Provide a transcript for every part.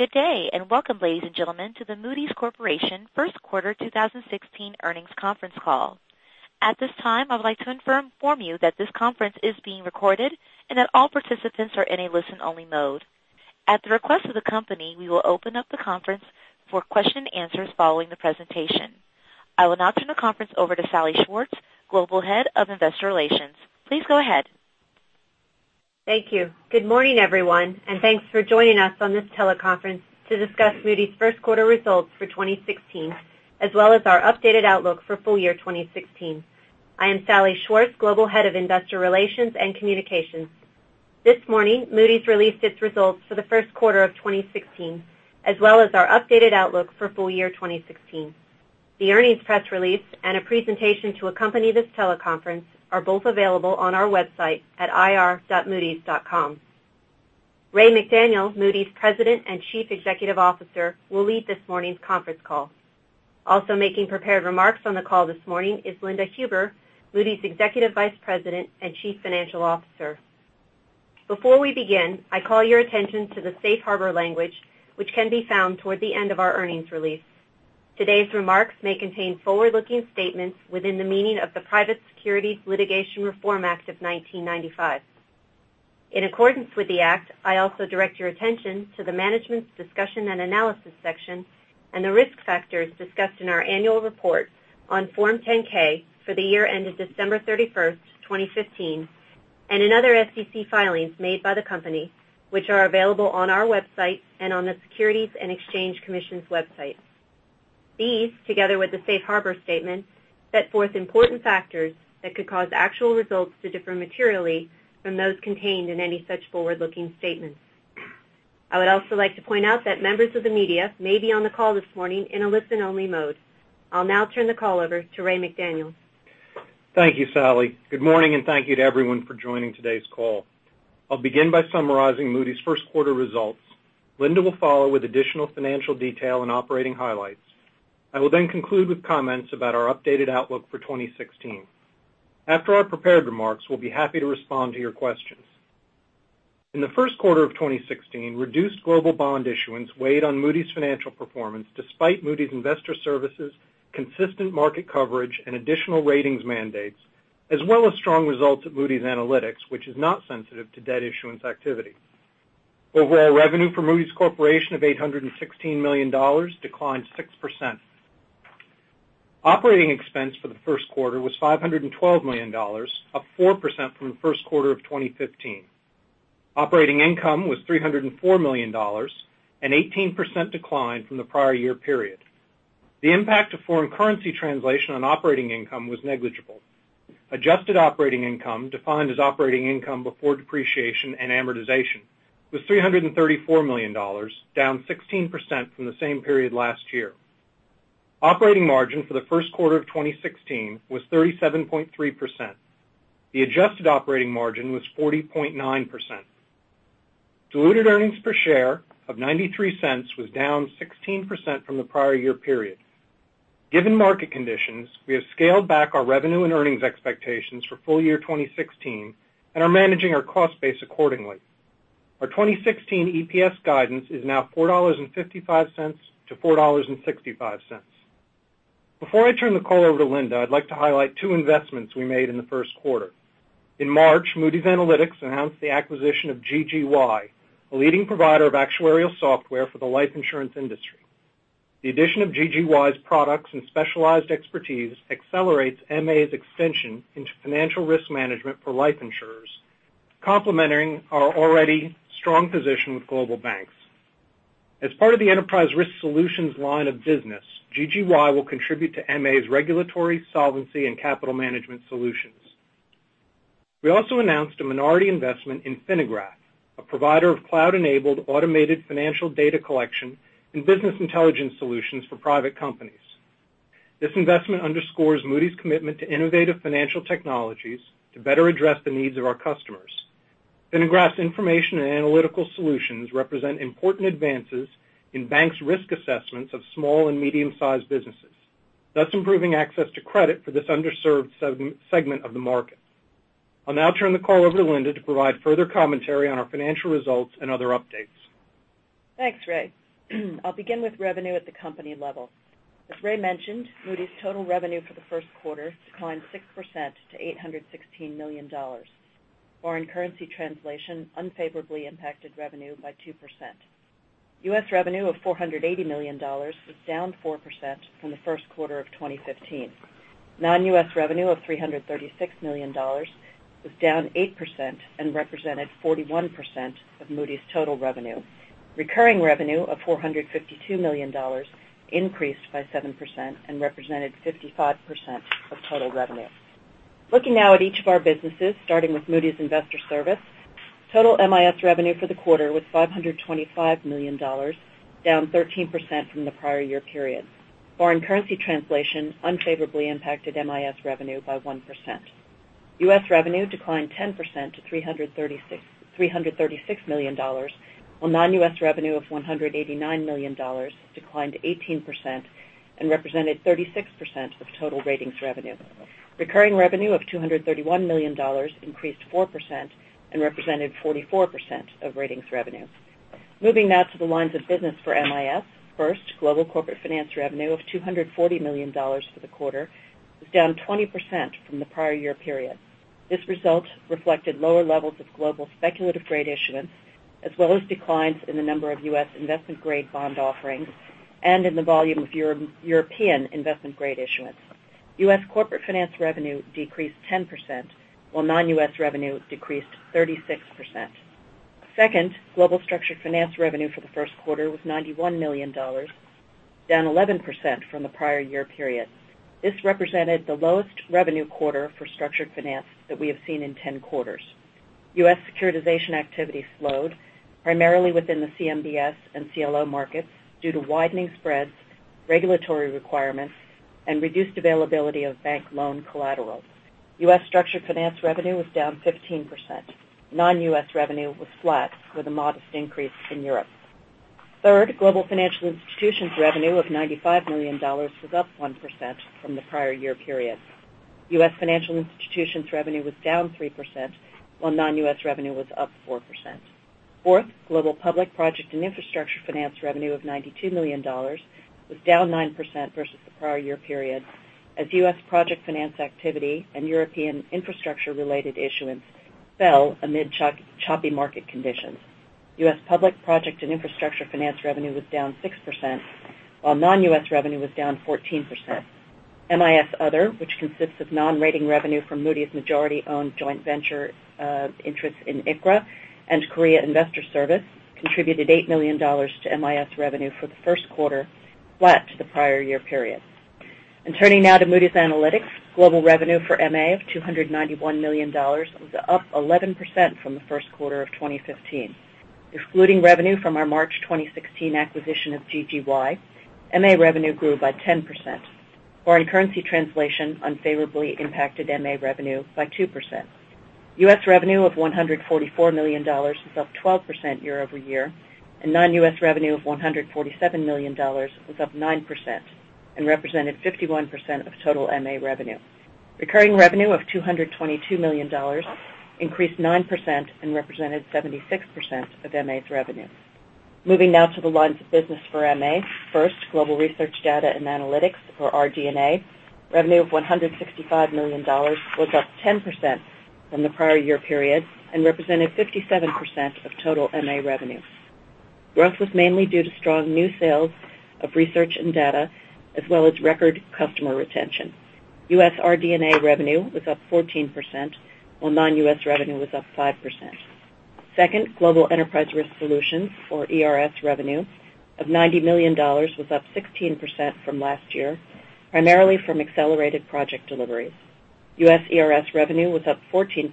Good day, welcome, ladies and gentlemen, to the Moody's Corporation first quarter 2016 earnings conference call. At this time, I would like to inform you that this conference is being recorded and that all participants are in a listen-only mode. At the request of the company, we will open up the conference for question and answers following the presentation. I will now turn the conference over to Salli Schwartz, Global Head of Investor Relations. Please go ahead. Thank you. Good morning, everyone, thanks for joining us on this teleconference to discuss Moody's first quarter results for 2016, as well as our updated outlook for full year 2016. I am Salli Schwartz, Global Head of Investor Relations and Communications. This morning, Moody's released its results for the first quarter of 2016, as well as our updated outlook for full year 2016. The earnings press release and a presentation to accompany this teleconference are both available on our website at ir.moodys.com. Raymond McDaniel, Moody's President and Chief Executive Officer, will lead this morning's conference call. Also making prepared remarks on the call this morning is Linda Huber, Moody's Executive Vice President and Chief Financial Officer. Before we begin, I call your attention to the safe harbor language, which can be found toward the end of our earnings release. Today's remarks may contain forward-looking statements within the meaning of the Private Securities Litigation Reform Act of 1995. In accordance with the act, I also direct your attention to the Management's Discussion and Analysis section and the risk factors discussed in our annual report on Form 10-K for the year ended December 31st, 2015, and in other SEC filings made by the company, which are available on our website and on the Securities and Exchange Commission's website. These, together with the safe harbor statement, set forth important factors that could cause actual results to differ materially from those contained in any such forward-looking statements. I would also like to point out that members of the media may be on the call this morning in a listen-only mode. I'll now turn the call over to Raymond McDaniel. Thank you, Salli. Good morning, thank you to everyone for joining today's call. I'll begin by summarizing Moody's first quarter results. Linda will follow with additional financial detail and operating highlights. I will then conclude with comments about our updated outlook for 2016. After our prepared remarks, we'll be happy to respond to your questions. In the first quarter of 2016, reduced global bond issuance weighed on Moody's financial performance despite Moody's Investors Service consistent market coverage and additional ratings mandates, as well as strong results at Moody's Analytics, which is not sensitive to debt issuance activity. Overall revenue for Moody's Corporation of $816 million declined 6%. Operating expense for the first quarter was $512 million, up 4% from the first quarter of 2015. Operating income was $304 million, an 18% decline from the prior year period. The impact of foreign currency translation on operating income was negligible. Adjusted operating income, defined as operating income before depreciation and amortization, was $334 million, down 16% from the same period last year. Operating margin for the first quarter of 2016 was 37.3%. The adjusted operating margin was 40.9%. Diluted earnings per share of $0.93 was down 16% from the prior year period. Given market conditions, we have scaled back our revenue and earnings expectations for full year 2016 and are managing our cost base accordingly. Our 2016 EPS guidance is now $4.55-$4.65. Before I turn the call over to Linda, I'd like to highlight two investments we made in the first quarter. In March, Moody's Analytics announced the acquisition of GGY, a leading provider of actuarial software for the life insurance industry. The addition of GGY's products and specialized expertise accelerates MA's extension into financial risk management for life insurers, complementing our already strong position with global banks. As part of the Enterprise Risk Solutions line of business, GGY will contribute to MA's regulatory solvency and capital management solutions. We also announced a minority investment in Finagraph, a provider of cloud-enabled automated financial data collection and business intelligence solutions for private companies. This investment underscores Moody's commitment to innovative financial technologies to better address the needs of our customers. Finagraph's information and analytical solutions represent important advances in banks' risk assessments of small and medium-sized businesses, thus improving access to credit for this underserved segment of the market. I'll now turn the call over to Linda to provide further commentary on our financial results and other updates. Thanks, Ray. I'll begin with revenue at the company level. As Ray mentioned, Moody's total revenue for the first quarter declined 6% to $816 million. Foreign currency translation unfavorably impacted revenue by 2%. U.S. revenue of $480 million was down 4% from the first quarter of 2015. Non-U.S. revenue of $336 million was down 8% and represented 41% of Moody's total revenue. Recurring revenue of $452 million increased by 7% and represented 55% of total revenue. Looking now at each of our businesses, starting with Moody's Investors Service, total MIS revenue for the quarter was $525 million, down 13% from the prior year period. Foreign currency translation unfavorably impacted MIS revenue by 1%. U.S. revenue declined 10% to $336 million, while non-U.S. revenue of $189 million declined 18%. Represented 36% of total ratings revenue. Recurring revenue of $231 million increased 4% and represented 44% of ratings revenue. Moving now to the lines of business for MIS. First, global corporate finance revenue of $240 million for the quarter was down 20% from the prior year period. This result reflected lower levels of global speculative-grade issuance, as well as declines in the number of U.S. investment-grade bond offerings and in the volume of European investment-grade issuance. U.S. corporate finance revenue decreased 10%, while non-U.S. revenue decreased 36%. Second, global structured finance revenue for the first quarter was $91 million, down 11% from the prior year period. This represented the lowest revenue quarter for structured finance that we have seen in 10 quarters. U.S. securitization activity slowed primarily within the CMBS and CLO markets due to widening spreads, regulatory requirements, and reduced availability of bank loan collateral. U.S. structured finance revenue was down 15%. Non-U.S. revenue was flat with a modest increase in Europe. Third, global financial institutions revenue of $95 million was up 1% from the prior year period. U.S. financial institutions revenue was down 3%, while non-U.S. revenue was up 4%. Fourth, global public project and infrastructure finance revenue of $92 million was down 9% versus the prior year period, as U.S. project finance activity and European infrastructure-related issuance fell amid choppy market conditions. U.S. public project and infrastructure finance revenue was down 6%, while non-U.S. revenue was down 14%. MIS Other, which consists of non-rating revenue from Moody's majority-owned joint venture interests in ICRA and Korea Investors Service, contributed $8 million to MIS revenue for the first quarter, flat to the prior year period. Turning now to Moody's Analytics. Global revenue for MA of $291 million was up 11% from the first quarter of 2015. Excluding revenue from our March 2016 acquisition of GGY, MA revenue grew by 10%. Foreign currency translation unfavorably impacted MA revenue by 2%. U.S. revenue of $144 million was up 12% year-over-year. Non-U.S. revenue of $147 million was up 9% and represented 51% of total MA revenue. Recurring revenue of $222 million increased 9% and represented 76% of MA's revenue. Moving now to the lines of business for MA. First, global research data and analytics or RD&A revenue of $165 million was up 10% from the prior year period and represented 57% of total MA revenue. Growth was mainly due to strong new sales of research and data, as well as record customer retention. U.S. RD&A revenue was up 14%, while non-U.S. revenue was up 5%. Second, global Enterprise Risk Solutions, or ERS revenue of $90 million was up 16% from last year, primarily from accelerated project deliveries. U.S. ERS revenue was up 14%,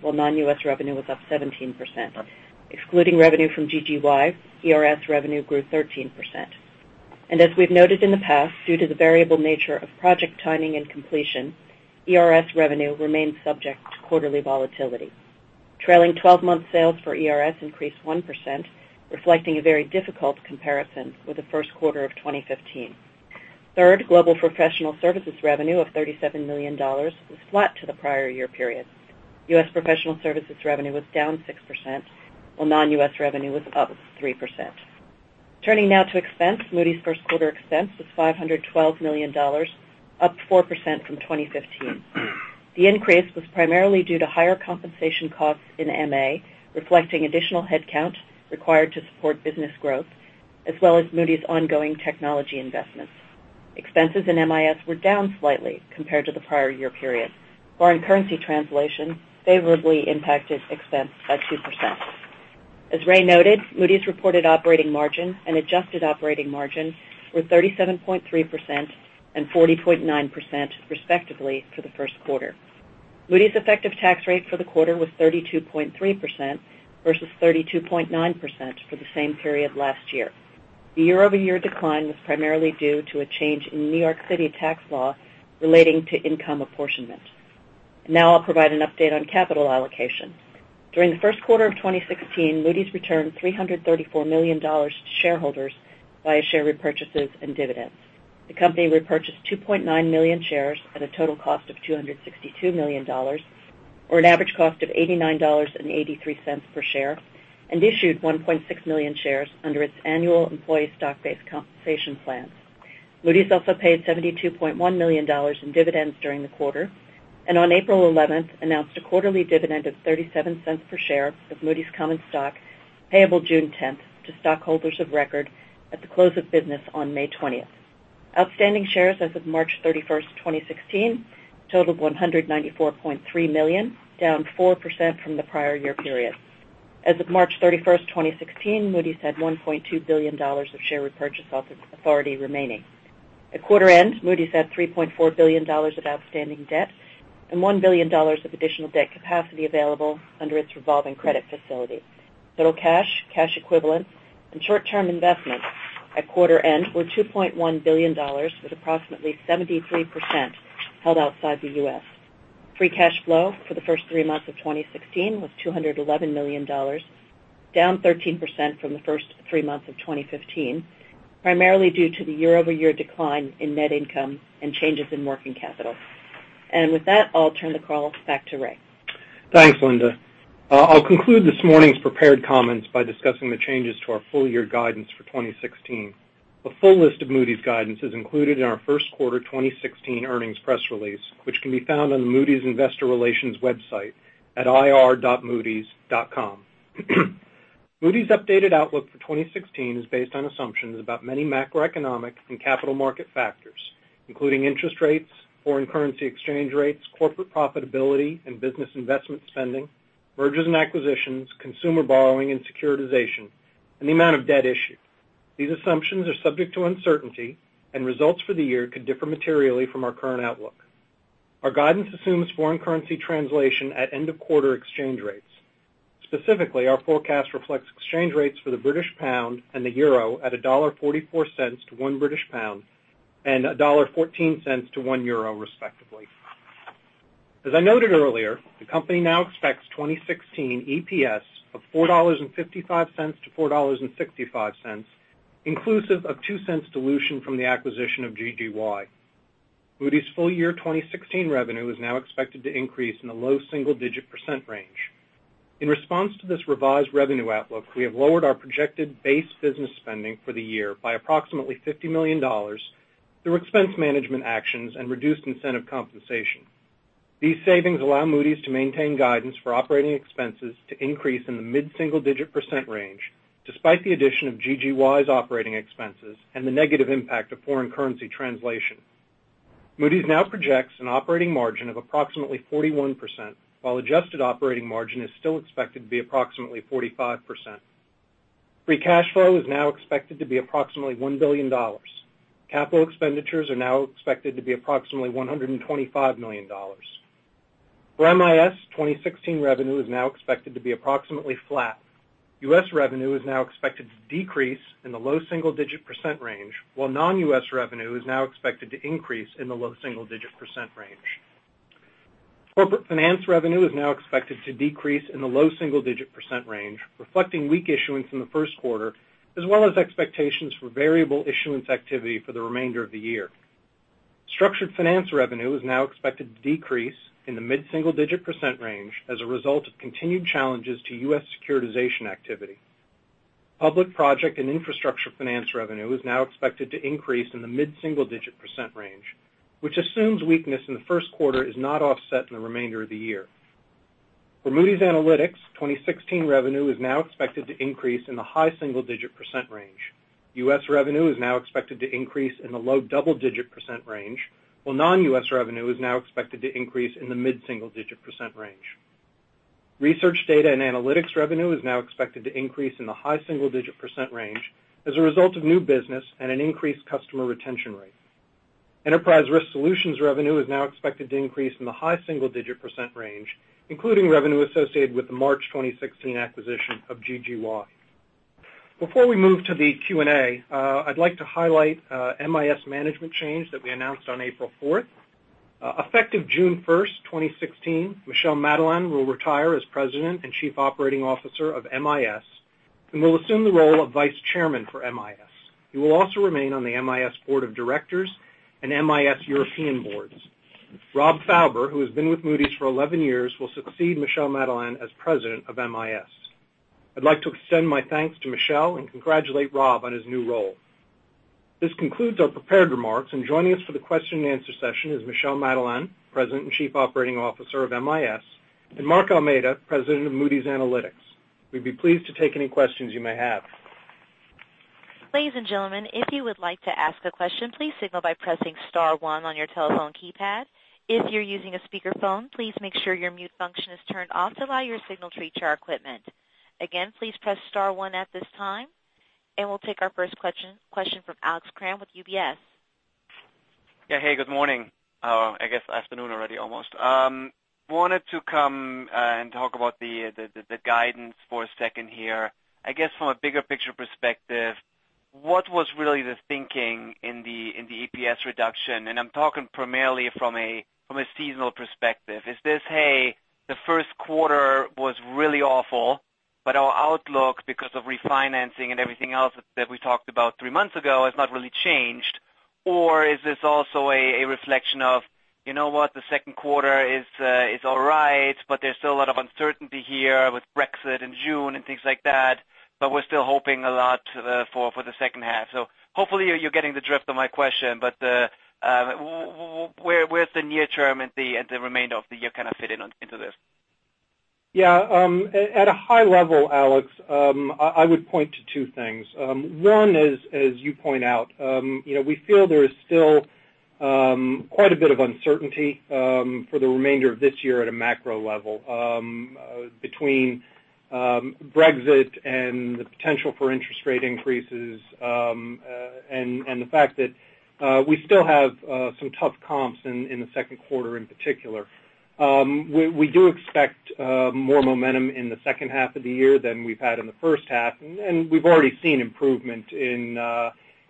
while non-U.S. revenue was up 17%. Excluding revenue from GGY, ERS revenue grew 13%. As we've noted in the past, due to the variable nature of project timing and completion, ERS revenue remains subject to quarterly volatility. Trailing 12 months sales for ERS increased 1%, reflecting a very difficult comparison with the first quarter of 2015. Third, global professional services revenue of $37 million was flat to the prior year period. U.S. professional services revenue was down 6%, while non-U.S. revenue was up 3%. Turning now to expense. Moody's first quarter expense was $512 million, up 4% from 2015. The increase was primarily due to higher compensation costs in MA, reflecting additional headcount required to support business growth, as well as Moody's ongoing technology investments. Expenses in MIS were down slightly compared to the prior year period. Foreign currency translation favorably impacted expense by 2%. As Ray noted, Moody's reported operating margin and adjusted operating margin were 37.3% and 40.9%, respectively, for the first quarter. Moody's effective tax rate for the quarter was 32.3% versus 32.9% for the same period last year. The year-over-year decline was primarily due to a change in New York City tax law relating to income apportionment. Now I'll provide an update on capital allocation. During the first quarter of 2016, Moody's returned $334 million to shareholders via share repurchases and dividends. The company repurchased 2.9 million shares at a total cost of $262 million, or an average cost of $89.83 per share, and issued 1.6 million shares under its annual employee stock-based compensation plan. Moody's also paid $72.1 million in dividends during the quarter, and on April 11th, announced a quarterly dividend of $0.37 per share of Moody's common stock, payable June 10th to stockholders of record at the close of business on May 20th. Outstanding shares as of March 31st, 2016, totaled 194.3 million, down 4% from the prior year period. As of March 31st, 2016, Moody's had $1.2 billion of share repurchase authority remaining. At quarter end, Moody's had $3.4 billion of outstanding debt and $1 billion of additional debt capacity available under its revolving credit facility. Total cash equivalents, and short-term investments at quarter end were $2.1 billion, with approximately 73% held outside the U.S. Free cash flow for the first three months of 2016 was $211 million, down 13% from the first three months of 2015, primarily due to the year-over-year decline in net income and changes in working capital. With that, I'll turn the call back to Ray. Thanks, Linda. I'll conclude this morning's prepared comments by discussing the changes to our full-year guidance for 2016. A full list of Moody's guidance is included in our first quarter 2016 earnings press release, which can be found on the Moody's investor relations website at ir.moodys.com. Moody's updated outlook for 2016 is based on assumptions about many macroeconomic and capital market factors, including interest rates, foreign currency exchange rates, corporate profitability and business investment spending, mergers and acquisitions, consumer borrowing and securitization, and the amount of debt issued. These assumptions are subject to uncertainty, and results for the year could differ materially from our current outlook. Our guidance assumes foreign currency translation at end-of-quarter exchange rates. Specifically, our forecast reflects exchange rates for the British pound and the euro at $1.44 to GBP 1 British, and $1.14 to 1 euro, respectively. As I noted earlier, the company now expects 2016 EPS of $4.55-$4.65, inclusive of $0.02 dilution from the acquisition of GGY. Moody's full-year 2016 revenue is now expected to increase in a low single-digit % range. In response to this revised revenue outlook, we have lowered our projected base business spending for the year by approximately $50 million through expense management actions and reduced incentive compensation. These savings allow Moody's to maintain guidance for operating expenses to increase in the mid-single digit % range, despite the addition of GGY's operating expenses and the negative impact of foreign currency translation. Moody's now projects an operating margin of approximately 41%, while adjusted operating margin is still expected to be approximately 45%. Free cash flow is now expected to be approximately $1 billion. Capital expenditures are now expected to be approximately $125 million. For MIS, 2016 revenue is now expected to be approximately flat. U.S. revenue is now expected to decrease in the low double-digit % range, while non-U.S. revenue is now expected to increase in the low single-digit % range. Corporate Finance revenue is now expected to decrease in the low single-digit % range, reflecting weak issuance in the first quarter, as well as expectations for variable issuance activity for the remainder of the year. Structured Finance revenue is now expected to decrease in the mid-single digit % range as a result of continued challenges to U.S. securitization activity. Public Project and Infrastructure Finance revenue is now expected to increase in the mid-single digit % range, which assumes weakness in the first quarter is not offset in the remainder of the year. For Moody's Analytics, 2016 revenue is now expected to increase in the high single-digit % range. U.S. revenue is now expected to increase in the low double-digit % range, while non-U.S. revenue is now expected to increase in the mid-single digit % range. Research Data and Analytics revenue is now expected to increase in the high single-digit % range as a result of new business and an increased customer retention rate. Enterprise Risk Solutions revenue is now expected to increase in the high single-digit % range, including revenue associated with the March 2016 acquisition of GGY. Before we move to the Q&A, I'd like to highlight MIS management change that we announced on April 4th. Effective June 1st, 2016, Michel Madelain will retire as President and Chief Operating Officer of MIS and will assume the role of Vice Chairman for MIS. He will also remain on the MIS board of directors and MIS European boards. Rob Fauber, who has been with Moody's for 11 years, will succeed Michel Madelain as President of MIS. I'd like to extend my thanks to Michel and congratulate Rob on his new role. This concludes our prepared remarks, and joining us for the question and answer session is Michel Madelain, President and Chief Operating Officer of MIS, and Mark Almeida, President of Moody's Analytics. We'd be pleased to take any questions you may have. Ladies and gentlemen, if you would like to ask a question, please signal by pressing star one on your telephone keypad. If you're using a speakerphone, please make sure your mute function is turned off to allow your signal to reach our equipment. Again, please press star one at this time, and we'll take our first question from Alex Kramm with UBS. Hey, good morning. I guess afternoon already almost. Wanted to come and talk about the guidance for a second here. I guess from a bigger picture perspective, what was really the thinking in the EPS reduction? I'm talking primarily from a seasonal perspective. Is this, hey, the 1st quarter was really awful, but our outlook, because of refinancing and everything else that we talked about 3 months ago, has not really changed? Is this also a reflection of, you know what, the 2nd quarter is all right, but there's still a lot of uncertainty here with Brexit in June and things like that, but we're still hoping a lot for the 2nd half. Hopefully you're getting the drift of my question. Where's the near term and the remainder of the year kind of fit into this? Yeah. At a high level, Alex, I would point to 2 things. One is, as you point out, we feel there is still quite a bit of uncertainty for the remainder of this year at a macro level between Brexit and the potential for interest rate increases, and the fact that we still have some tough comps in the 2nd quarter in particular. We do expect more momentum in the 2nd half of the year than we've had in the 1st half, and we've already seen improvement in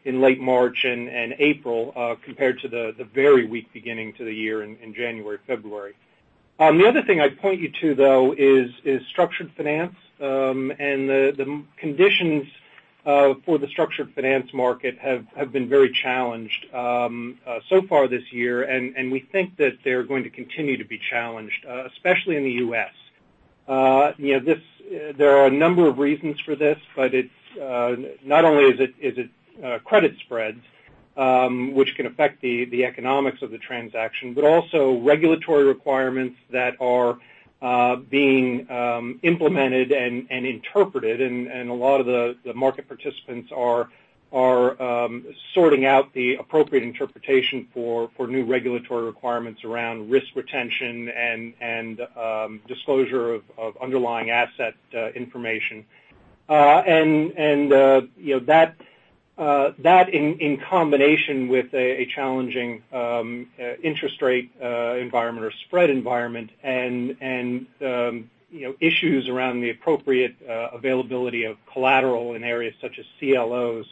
late March and April compared to the very weak beginning to the year in January, February. The other thing I'd point you to, though, is structured finance. The conditions for the structured finance market have been very challenged so far this year, and we think that they're going to continue to be challenged, especially in the U.S. There are a number of reasons for this, not only is it credit spreads which can affect the economics of the transaction, but also regulatory requirements that are being implemented and interpreted. A lot of the market participants are sorting out the appropriate interpretation for new regulatory requirements around risk retention and disclosure of underlying asset information. That in combination with a challenging interest rate environment or spread environment and issues around the appropriate availability of collateral in areas such as CLOs,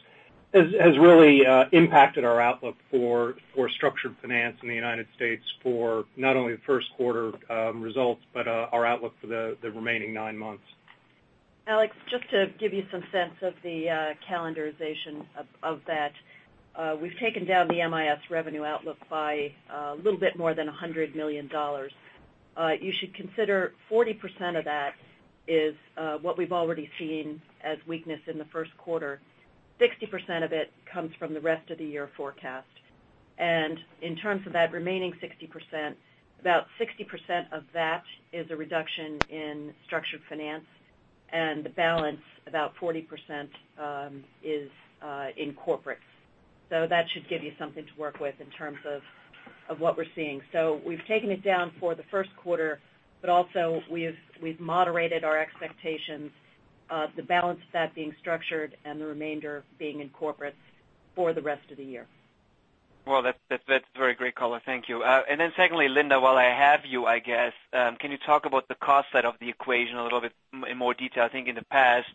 has really impacted our outlook for structured finance in the U.S. for not only the 1st quarter results, but our outlook for the remaining 9 months. Alex, just to give you some sense of the calendarization of that. We've taken down the MIS revenue outlook by a little bit more than $100 million. You should consider 40% of that is what we've already seen as weakness in the 1st quarter. 60% of it comes from the rest of the year forecast. In terms of that remaining 60%, about 60% of that is a reduction in structured finance, and the balance, about 40%, is in corporate. That should give you something to work with in terms of what we're seeing. We've taken it down for the 1st quarter, but also we've moderated our expectations of the balance of that being structured and the remainder being in corporate for the rest of the year. Well, that's very great color. Thank you. Secondly, Linda, while I have you, I guess, can you talk about the cost side of the equation a little bit in more detail? I think in the past,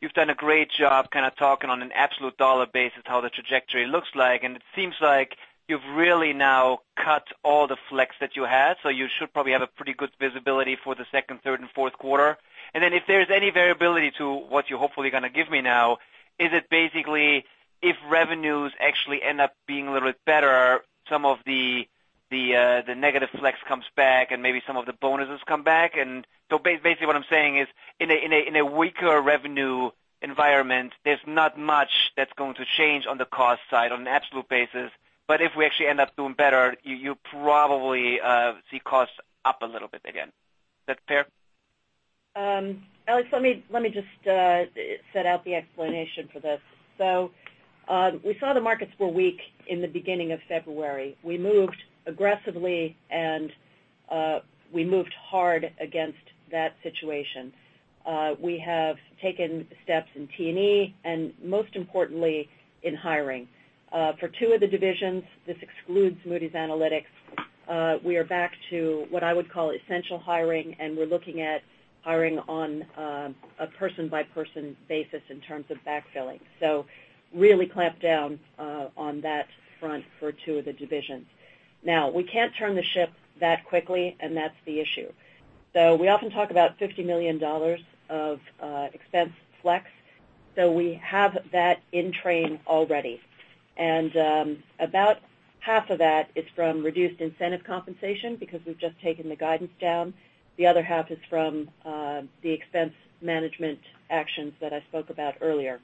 you've done a great job kind of talking on an absolute dollar basis how the trajectory looks like. It seems like you've really now cut all the flex that you had, so you should probably have a pretty good visibility for the second, third, and fourth quarter. If there's any variability to what you're hopefully going to give me now, is it basically if revenues actually end up being a little bit better, some of the negative flex comes back and maybe some of the bonuses come back? Basically what I'm saying is, in a weaker revenue environment, there's not much that's going to change on the cost side on an absolute basis. If we actually end up doing better, you probably see costs up a little bit again. That fair? Alex, let me just set out the explanation for this. We saw the markets were weak in the beginning of February. We moved aggressively, and we moved hard against that situation. We have taken steps in T&E and most importantly, in hiring. For two of the divisions, this excludes Moody's Analytics, we are back to what I would call essential hiring, and we're looking at hiring on a person-by-person basis in terms of backfilling. Really clamped down on that front for two of the divisions. Now, we can't turn the ship that quickly, and that's the issue. We often talk about $50 million of expense flex. We have that in train already. About half of that is from reduced incentive compensation because we've just taken the guidance down. The other half is from the expense management actions that I spoke about earlier.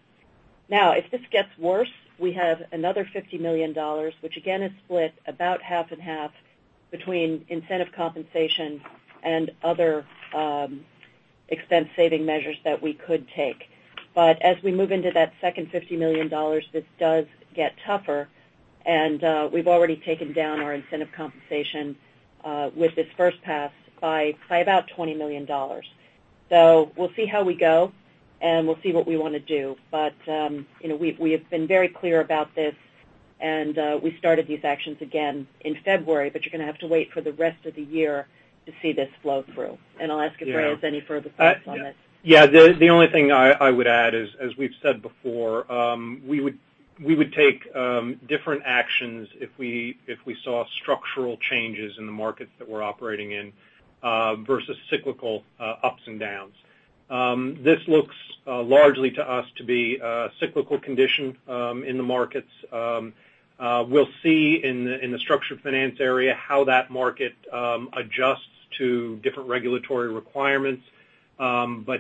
Now, if this gets worse, we have another $50 million, which again, is split about half and half between incentive compensation and other expense saving measures that we could take. As we move into that second $50 million, this does get tougher, and we've already taken down our incentive compensation with this first pass by about $20 million. We'll see how we go, and we'll see what we want to do. We have been very clear about this, and we started these actions again in February, you're going to have to wait for the rest of the year to see this flow through. I'll ask if Ray has any further thoughts on this. Yeah. The only thing I would add is, as we've said before, we would take different actions if we saw structural changes in the markets that we're operating in versus cyclical ups and downs. This looks largely to us to be a cyclical condition in the markets. We'll see in the structured finance area how that market adjusts to different regulatory requirements.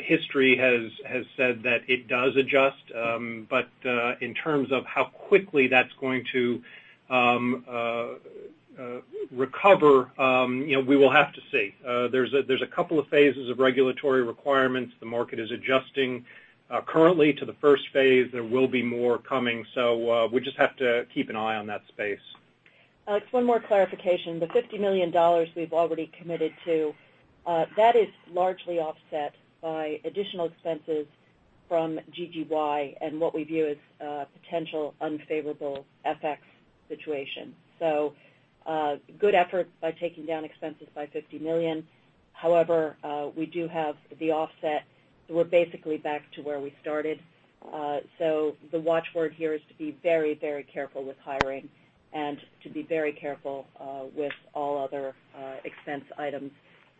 History has said that it does adjust. In terms of how quickly that's going to recover, we will have to see. There's a couple of phases of regulatory requirements. The market is adjusting currently to the first phase. There will be more coming. We just have to keep an eye on that space. Alex, one more clarification. The $50 million we've already committed to, that is largely offset by additional expenses from GGY and what we view as a potential unfavorable FX situation. A good effort by taking down expenses by $50 million. However, we do have the offset, we're basically back to where we started. The watch word here is to be very, very careful with hiring and to be very careful with all other expense items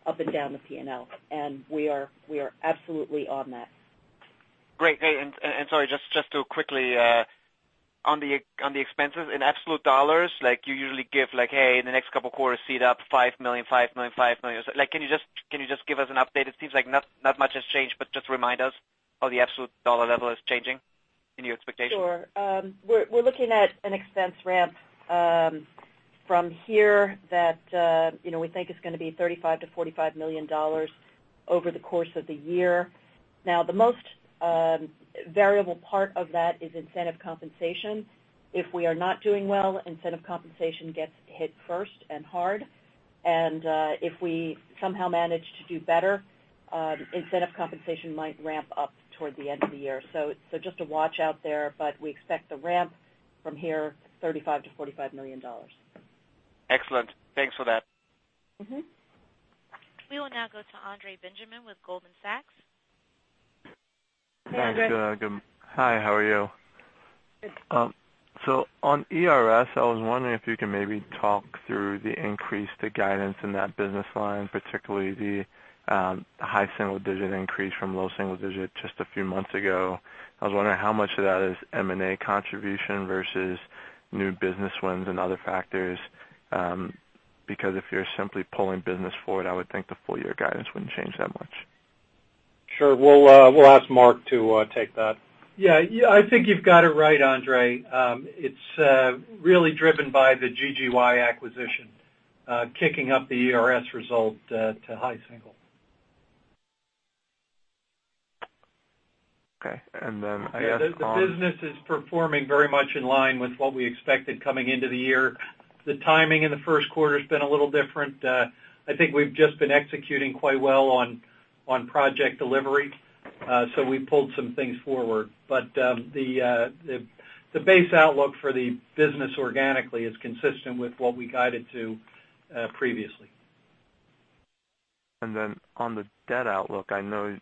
up and down the P&L, and we are absolutely on that. Great. Sorry, just on the expenses, in absolute dollars, you usually give, like, "Hey, in the next couple of quarters, see it up $5 million." Can you just give us an update? It seems like not much has changed, but just remind us how the absolute dollar level is changing in your expectation. Sure. We're looking at an expense ramp from here that we think is going to be $35 million-$45 million over the course of the year. The most variable part of that is incentive compensation. If we are not doing well, incentive compensation gets hit first and hard. If we somehow manage to do better, incentive compensation might ramp up toward the end of the year. Just to watch out there, but we expect the ramp from here, $35 million-$45 million. Excellent. Thanks for that. We will now go to Andre Benjamin with Goldman Sachs. Hey, Andre. Thanks. Hi, how are you? Good. On ERS, I was wondering if you could maybe talk through the increase to guidance in that business line, particularly the high single-digit increase from low single-digit just a few months ago. I was wondering how much of that is M&A contribution versus new business wins and other factors. Because if you're simply pulling business forward, I would think the full-year guidance wouldn't change that much. Sure. We'll ask Mark to take that. I think you've got it right, Andre. It's really driven by the GGY acquisition kicking up the ERS result to high single. Okay. Then I ask on. The business is performing very much in line with what we expected coming into the year. The timing in the first quarter's been a little different. I think we've just been executing quite well on project delivery, so we pulled some things forward. The base outlook for the business organically is consistent with what we guided to previously. On the debt outlook, I know you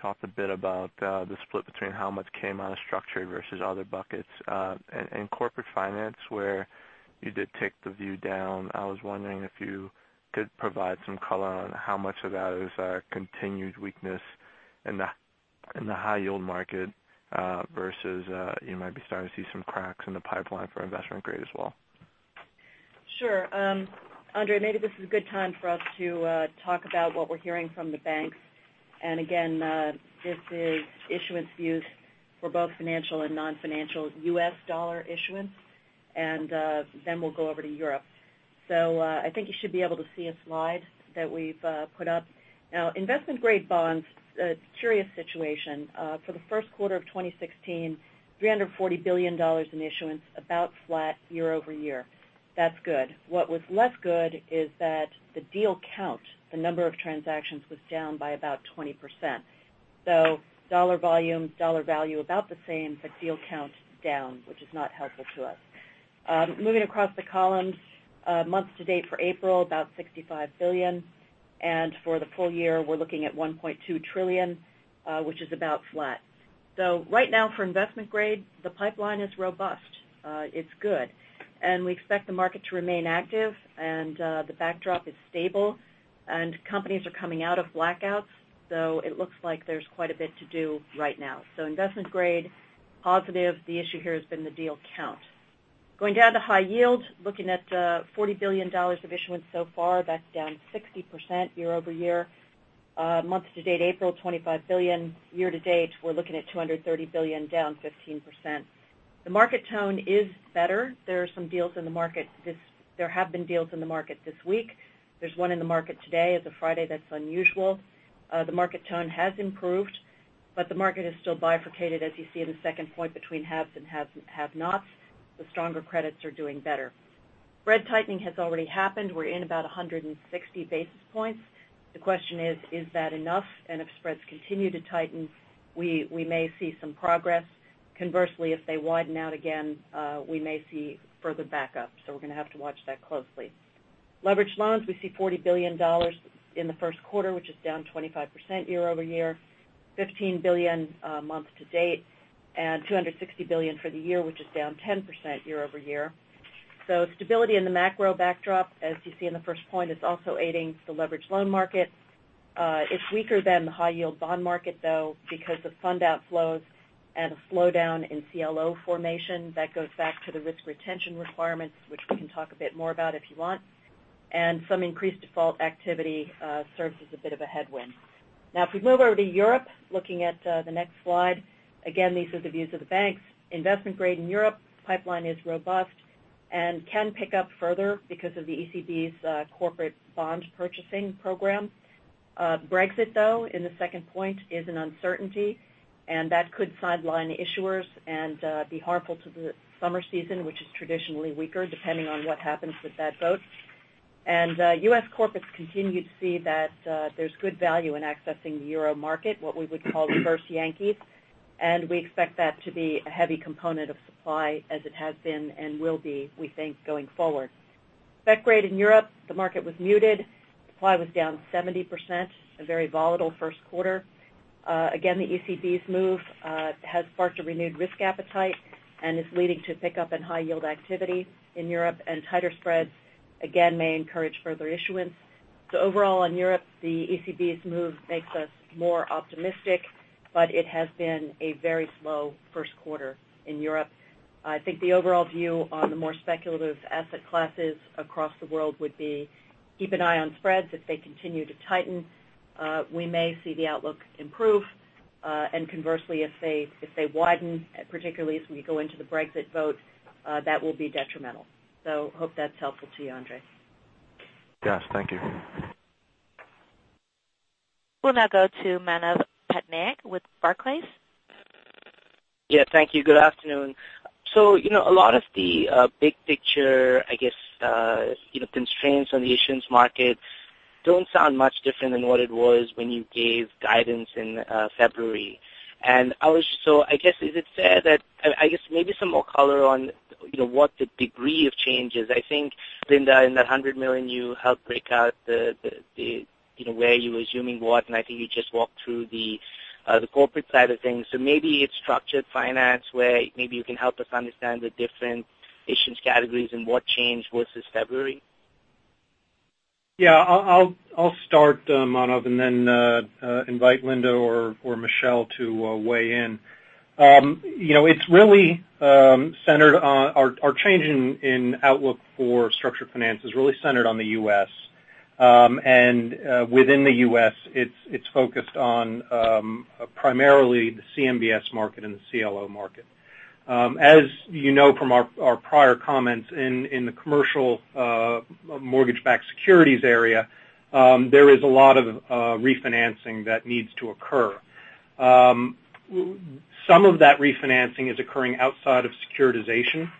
talked a bit about the split between how much came out of structured versus other buckets. In corporate finance, where you did take the view down, I was wondering if you could provide some color on how much of that is a continued weakness in the high yield market versus you might be starting to see some cracks in the pipeline for investment grade as well. Sure. Andre, maybe this is a good time for us to talk about what we're hearing from the banks. Again, this is issuance views for both financial and non-financial U.S. dollar issuance. We'll go over to Europe. I think you should be able to see a slide that we've put up. Investment grade bonds, it's a curious situation. For the first quarter of 2016, $340 billion in issuance, about flat year-over-year. That's good. What was less good is that the deal count, the number of transactions, was down by about 20%. Dollar volume, dollar value, about the same, but deal count down, which is not helpful to us. Moving across the columns, month-to-date for April, about $65 billion. For the full-year, we're looking at $1.2 trillion, which is about flat. Right now for investment grade, the pipeline is robust. It's good. We expect the market to remain active, the backdrop is stable, companies are coming out of blackouts. It looks like there's quite a bit to do right now. Investment grade, positive. The issue here has been the deal count. Going down to high yield, looking at $40 billion of issuance so far. That's down 60% year-over-year. Month-to-date, April, $25 billion. Year-to-date, we're looking at $230 billion, down 15%. The market tone is better. There are some deals in the market. There have been deals in the market this week. There's one in the market today. It's a Friday. That's unusual. The market tone has improved, the market is still bifurcated, as you see in the second point between haves and have nots. The stronger credits are doing better. Spread tightening has already happened. We're in about 160 basis points. The question is that enough? If spreads continue to tighten, we may see some progress. Conversely, if they widen out again, we may see further backup. We're going to have to watch that closely. Leveraged loans, we see $40 billion in the first quarter, which is down 25% year-over-year, $15 billion month to date, and $260 billion for the year, which is down 10% year-over-year. Stability in the macro backdrop, as you see in the first point, is also aiding the leveraged loan market. It's weaker than the high yield bond market, though, because of fund outflows and a slowdown in CLO formation that goes back to the risk retention requirements, which we can talk a bit more about if you want. Some increased default activity serves as a bit of a headwind. If we move over to Europe, looking at the next slide. Again, these are the views of the banks. Investment grade in Europe, pipeline is robust and can pick up further because of the ECB's corporate bond purchasing program. Brexit, though, in the second point, is an uncertainty, and that could sideline issuers and be harmful to the summer season, which is traditionally weaker, depending on what happens with that vote. U.S. corporates continued to see that there's good value in accessing the Euro market, what we would call reverse Yankees. We expect that to be a heavy component of supply as it has been and will be, we think, going forward. Spec grade in Europe, the market was muted. Supply was down 70%, a very volatile first quarter. The ECB's move has sparked a renewed risk appetite and is leading to pickup in high yield activity in Europe, and tighter spreads again may encourage further issuance. Overall, in Europe, the ECB's move makes us more optimistic, but it has been a very slow first quarter in Europe. I think the overall view on the more speculative asset classes across the world would be keep an eye on spreads. If they continue to tighten, we may see the outlook improve. Conversely, if they widen, particularly as we go into the Brexit vote, that will be detrimental. Hope that's helpful to you, Andre. Yes. Thank you. We'll now go to Manav Patnaik with Barclays. Yeah, thank you. Good afternoon. A lot of the big picture, I guess, constraints on the issuance market don't sound much different than what it was when you gave guidance in February. I guess maybe some more color on what the degree of change is. I think, Linda, in that $100 million, you helped break out where you're assuming what, and I think you just walked through the corporate side of things. Maybe it's structured finance, where maybe you can help us understand the different issuance categories and what changed versus February. Yeah. I'll start, Manav, and then invite Linda or Michel to weigh in. Our change in outlook for structured finance is really centered on the U.S. Within the U.S., it's focused on primarily the CMBS market and the CLO market. As you know from our prior comments, in the commercial mortgage-backed securities area, there is a lot of refinancing that needs to occur. Some of that refinancing is occurring outside of securitization.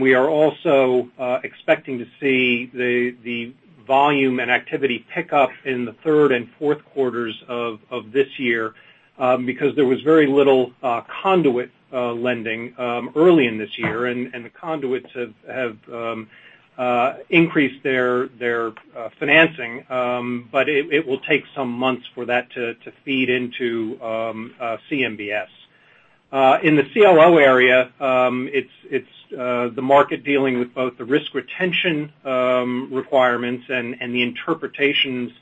We are also expecting to see the volume and activity pick up in the third and fourth quarters of this year because there was very little conduit lending early in this year. The conduits have increased their financing. It will take some months for that to feed into CMBS. In the CLO area, it's the market dealing with both the risk retention requirements and the interpretations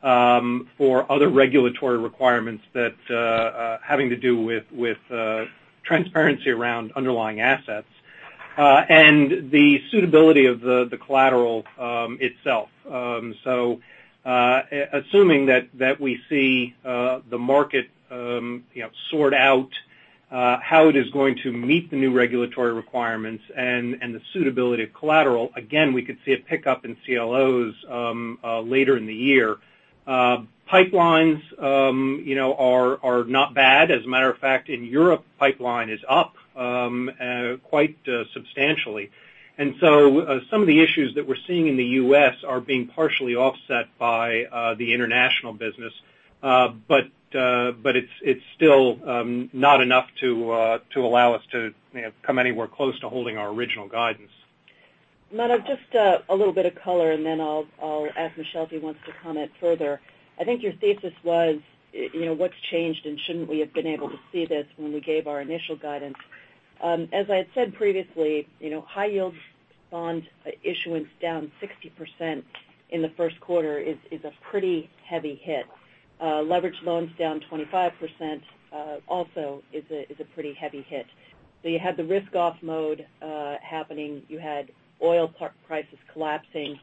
for other regulatory requirements having to do with transparency around underlying assets. The suitability of the collateral itself. Assuming that we see the market sort out how it is going to meet the new regulatory requirements and the suitability of collateral, again, we could see a pickup in CLOs later in the year. Pipelines are not bad. As a matter of fact, in Europe, pipeline is up quite substantially. Some of the issues that we're seeing in the U.S. are being partially offset by the international business. It's still not enough to allow us to come anywhere close to holding our original guidance. Manav, just a little bit of color, and then I'll ask Michel if he wants to comment further. I think your thesis was what's changed, and shouldn't we have been able to see this when we gave our initial guidance. As I had said previously, high yield bond issuance down 60% in the first quarter is a pretty heavy hit. Leveraged loans down 25% also is a pretty heavy hit. You had the risk-off mode happening. You had oil prices collapsing,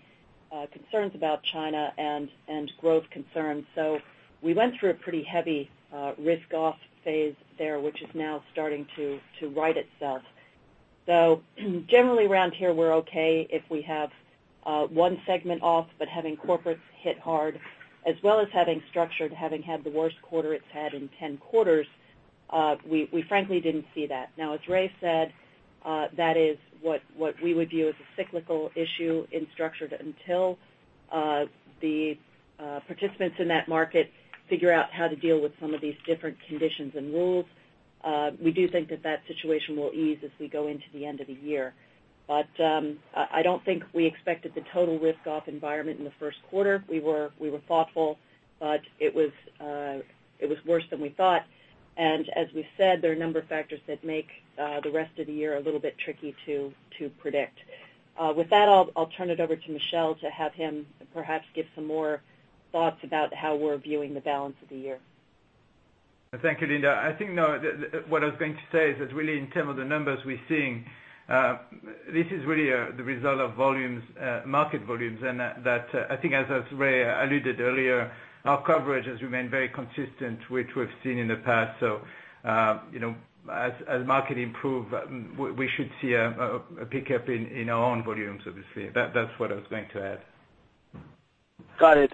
concerns about China, and growth concerns. We went through a pretty heavy risk-off phase there, which is now starting to right itself. Generally around here, we're okay if we have one segment off. But having corporates hit hard as well as having structured having had the worst quarter it's had in 10 quarters, we frankly didn't see that. As Ray said, that is what we would view as a cyclical issue in structured until the participants in that market figure out how to deal with some of these different conditions and rules. We do think that that situation will ease as we go into the end of the year. I don't think we expected the total risk-off environment in the first quarter. We were thoughtful, but it was worse than we thought. As we've said, there are a number of factors that make the rest of the year a little bit tricky to predict. With that, I'll turn it over to Michel to have him perhaps give some more thoughts about how we're viewing the balance of the year. Thank you, Linda. I think what I was going to say is that really in terms of the numbers we're seeing, this is really the result of market volumes. That I think as Ray alluded earlier, our coverage has remained very consistent, which we've seen in the past. As market improve, we should see a pickup in our own volumes, obviously. That's what I was going to add. Got it.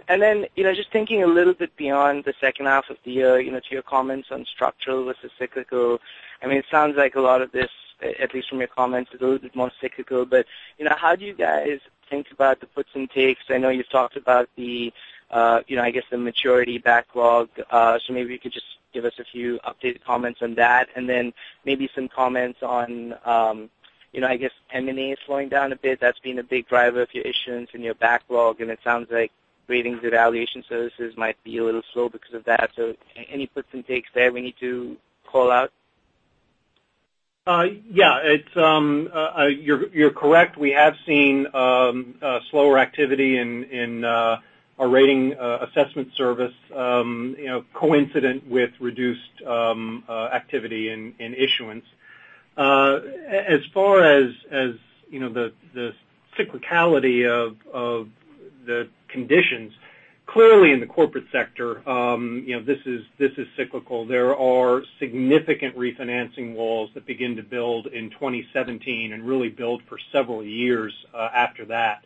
Just thinking a little bit beyond the second half of the year to your comments on structural versus cyclical. It sounds like a lot of this, at least from your comments, is a little bit more cyclical, but how do you guys think about the puts and takes? I know you talked about the maturity backlog, so maybe you could just give us a few updated comments on that, and then maybe some comments on M&A slowing down a bit. That's been a big driver of your issuance and your backlog, and it sounds like ratings and valuation services might be a little slow because of that. Any puts and takes there we need to call out? Yeah. You're correct. We have seen slower activity in our rating assessment service coincident with reduced activity in issuance. As far as the cyclicality of the conditions, clearly in the corporate sector, this is cyclical. There are significant refinancing walls that begin to build in 2017 and really build for several years after that.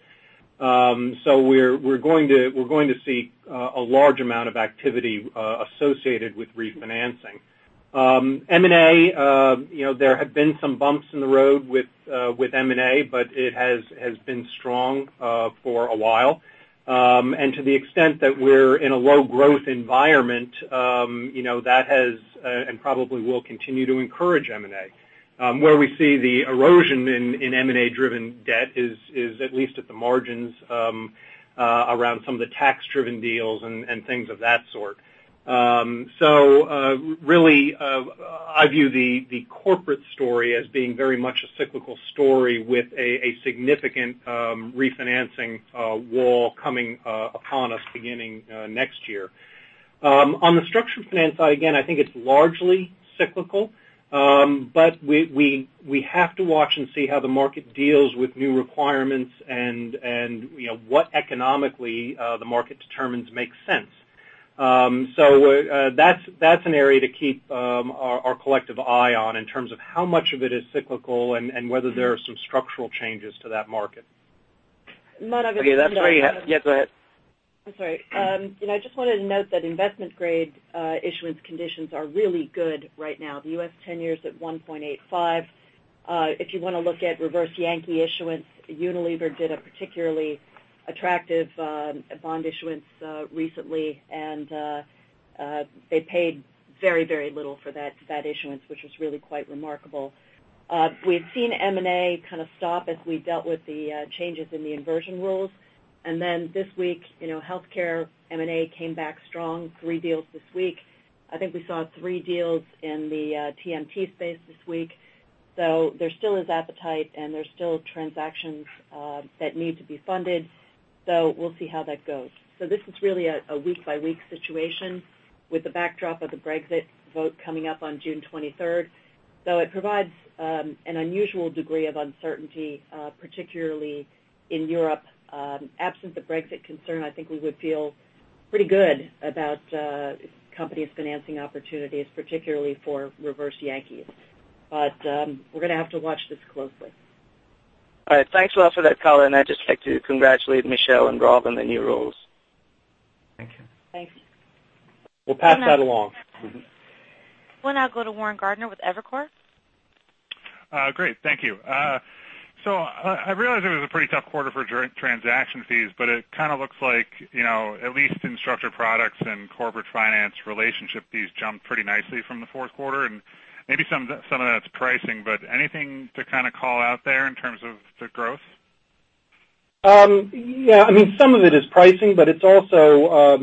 We're going to see a large amount of activity associated with refinancing. M&A, there have been some bumps in the road with M&A, but it has been strong for a while. To the extent that we're in a low growth environment, that has and probably will continue to encourage M&A. Where we see the erosion in M&A-driven debt is at least at the margins around some of the tax-driven deals and things of that sort. Really, I view the corporate story as being very much a cyclical story with a significant refinancing wall coming upon us beginning next year. On the structured finance side, again, I think it's largely cyclical, but we have to watch and see how the market deals with new requirements and what economically the market determines makes sense. That's an area to keep our collective eye on in terms of how much of it is cyclical and whether there are some structural changes to that market. Okay. Yeah, go ahead. I'm sorry. I just wanted to note that investment-grade issuance conditions are really good right now. The U.S. 10-year is at 1.85. If you want to look at reverse Yankee issuance, Unilever did a particularly attractive bond issuance recently, and they paid very little for that issuance, which was really quite remarkable. We've seen M&A kind of stop as we dealt with the changes in the inversion rules. Then this week, healthcare M&A came back strong. Three deals this week. I think we saw three deals in the TMT space this week. There still is appetite, and there's still transactions that need to be funded. We'll see how that goes. This is really a week-by-week situation with the backdrop of the Brexit vote coming up on June 23rd. It provides an unusual degree of uncertainty, particularly in Europe. Absent the Brexit concern, I think we would feel pretty good about companies' financing opportunities, particularly for reverse Yankees. We're going to have to watch this closely. All right. Thanks a lot for that color, and I'd just like to congratulate Michel and Rob on their new roles. Thank you. Thanks. We'll pass that along. We'll now go to Warren Gardiner with Evercore. Great. Thank you. I realize it was a pretty tough quarter for transaction fees, it kind of looks like at least in structured products and corporate finance relationship fees jumped pretty nicely from the fourth quarter, maybe some of that's pricing, anything to kind of call out there in terms of the growth? Yeah, some of it is pricing, it's also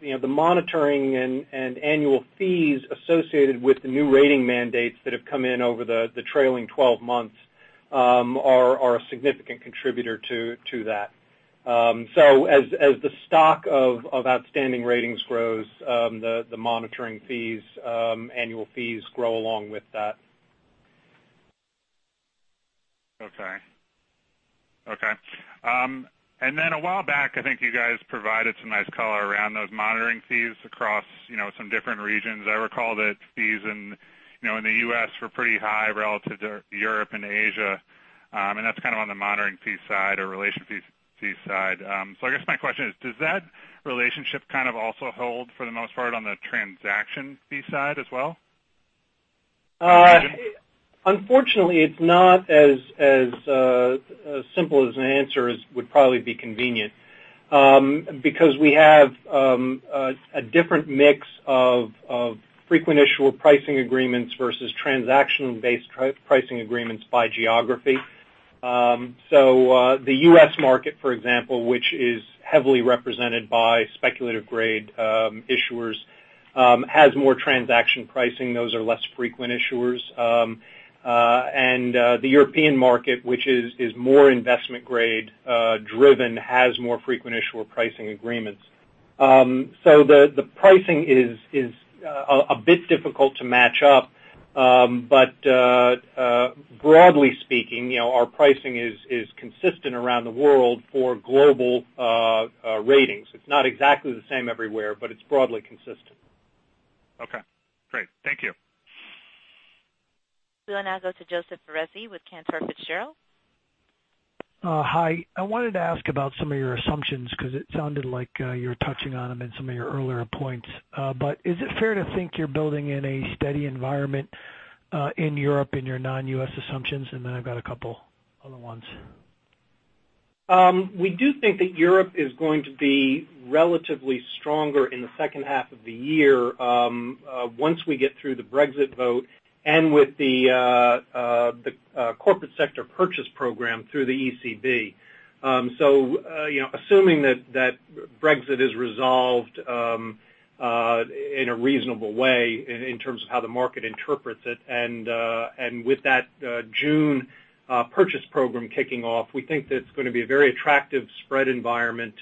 the monitoring and annual fees associated with the new rating mandates that have come in over the trailing 12 months are a significant contributor to that. As the stock of outstanding ratings grows, the monitoring fees, annual fees grow along with that. Okay. A while back, I think you guys provided some nice color around those monitoring fees across some different regions. I recall that fees in the U.S. were pretty high relative to Europe and Asia. That's kind of on the monitoring fee side or relation fee side. I guess my question is, does that relationship kind of also hold for the most part on the transaction fee side as well? Unfortunately, it's not as simple as an answer as would probably be convenient because we have a different mix of frequent issuer pricing agreements versus transactional-based pricing agreements by geography. The U.S. market, for example, which is heavily represented by speculative grade issuers, has more transaction pricing. Those are less frequent issuers. The European market, which is more investment grade driven, has more frequent issuer pricing agreements. The pricing is a bit difficult to match up. Broadly speaking, our pricing is consistent around the world for global ratings. It's not exactly the same everywhere, but it's broadly consistent. Okay. We will now go to Joseph Foresi with Cantor Fitzgerald. Hi. I wanted to ask about some of your assumptions, because it sounded like you were touching on them in some of your earlier points. Is it fair to think you're building in a steady environment in Europe in your non-U.S. assumptions? I've got a couple other ones. We do think that Europe is going to be relatively stronger in the second half of the year once we get through the Brexit vote and with the corporate sector purchase program through the ECB. Assuming that Brexit is resolved in a reasonable way in terms of how the market interprets it, with that June Purchase Program kicking off, we think that it's going to be a very attractive spread environment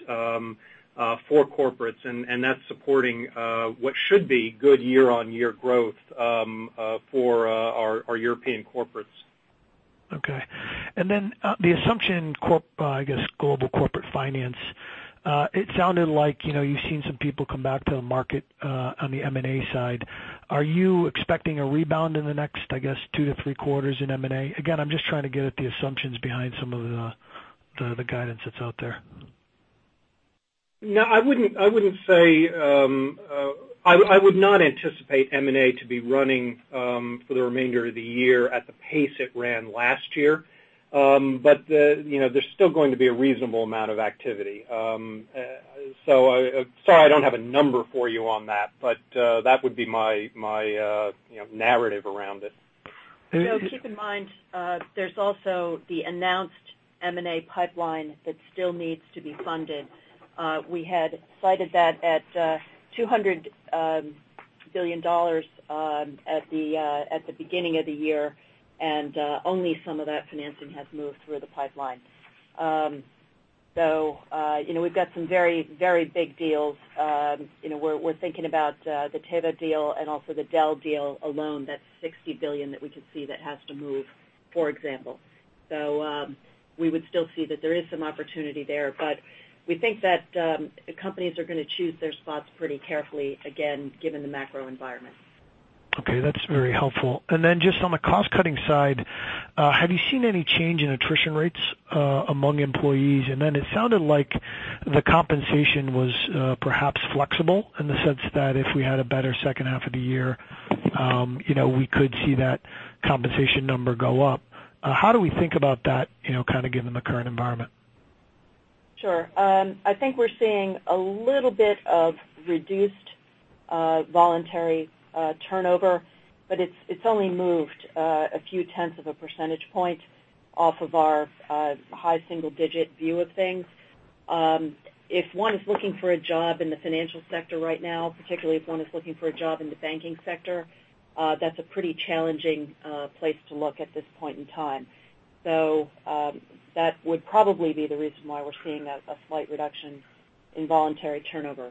for corporates. That's supporting what should be good year-on-year growth for our European corporates. Okay. The assumption, I guess global corporate finance. It sounded like you've seen some people come back to the market on the M&A side. Are you expecting a rebound in the next, I guess, two to three quarters in M&A? I'm just trying to get at the assumptions behind some of the guidance that's out there. No, I would not anticipate M&A to be running for the remainder of the year at the pace it ran last year. There's still going to be a reasonable amount of activity. Sorry I don't have a number for you on that, but that would be my narrative around it. Joe, keep in mind, there's also the announced M&A pipeline that still needs to be funded. We had cited that at $200 billion at the beginning of the year, and only some of that financing has moved through the pipeline. We've got some very big deals. We're thinking about the Teva deal and also the Dell deal alone. That's $60 billion that we could see that has to move, for example. We would still see that there is some opportunity there. We think that companies are going to choose their spots pretty carefully, again, given the macro environment. Okay, that's very helpful. Just on the cost-cutting side, have you seen any change in attrition rates among employees? It sounded like the compensation was perhaps flexible in the sense that if we had a better second half of the year we could see that compensation number go up. How do we think about that kind of given the current environment? Sure. I think we're seeing a little bit of reduced voluntary turnover, but it's only moved a few tenths of a percentage point off of our high single-digit view of things. If one is looking for a job in the financial sector right now, particularly if one is looking for a job in the banking sector, that's a pretty challenging place to look at this point in time. That would probably be the reason why we're seeing a slight reduction in voluntary turnover.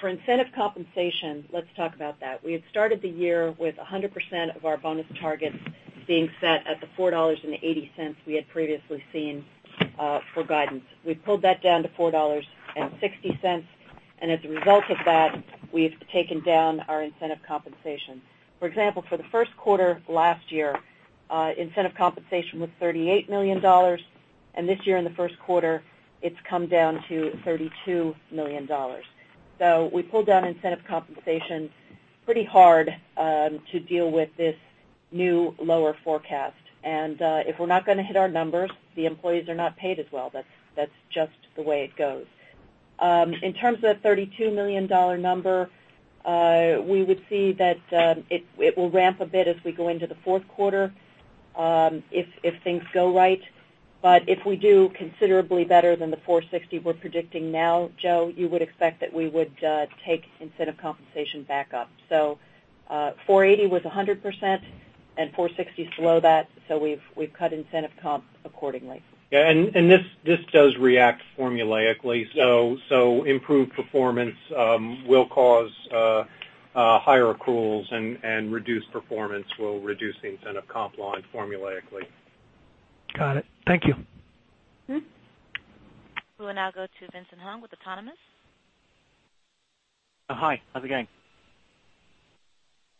For incentive compensation, let's talk about that. We had started the year with 100% of our bonus targets being set at the $4.80 we had previously seen for guidance. We've pulled that down to $4.60, and as a result of that, we've taken down our incentive compensation. For example, for the first quarter last year, incentive compensation was $38 million, and this year in the first quarter, it's come down to $32 million. We pulled down incentive compensation pretty hard to deal with this new lower forecast. If we're not going to hit our numbers, the employees are not paid as well. That's just the way it goes. In terms of that $32 million number, we would see that it will ramp a bit as we go into the fourth quarter if things go right. If we do considerably better than the $4.60 we're predicting now, Joe, you would expect that we would take incentive compensation back up. $4.80 was 100% and $4.60 is below that, so we've cut incentive comp accordingly. Yeah. This does react formulaically. Yes. Improved performance will cause higher accruals, and reduced performance will reduce the incentive comp line formulaically. Got it. Thank you. We will now go to Vincent Hung with Autonomous. Hi. How's it going?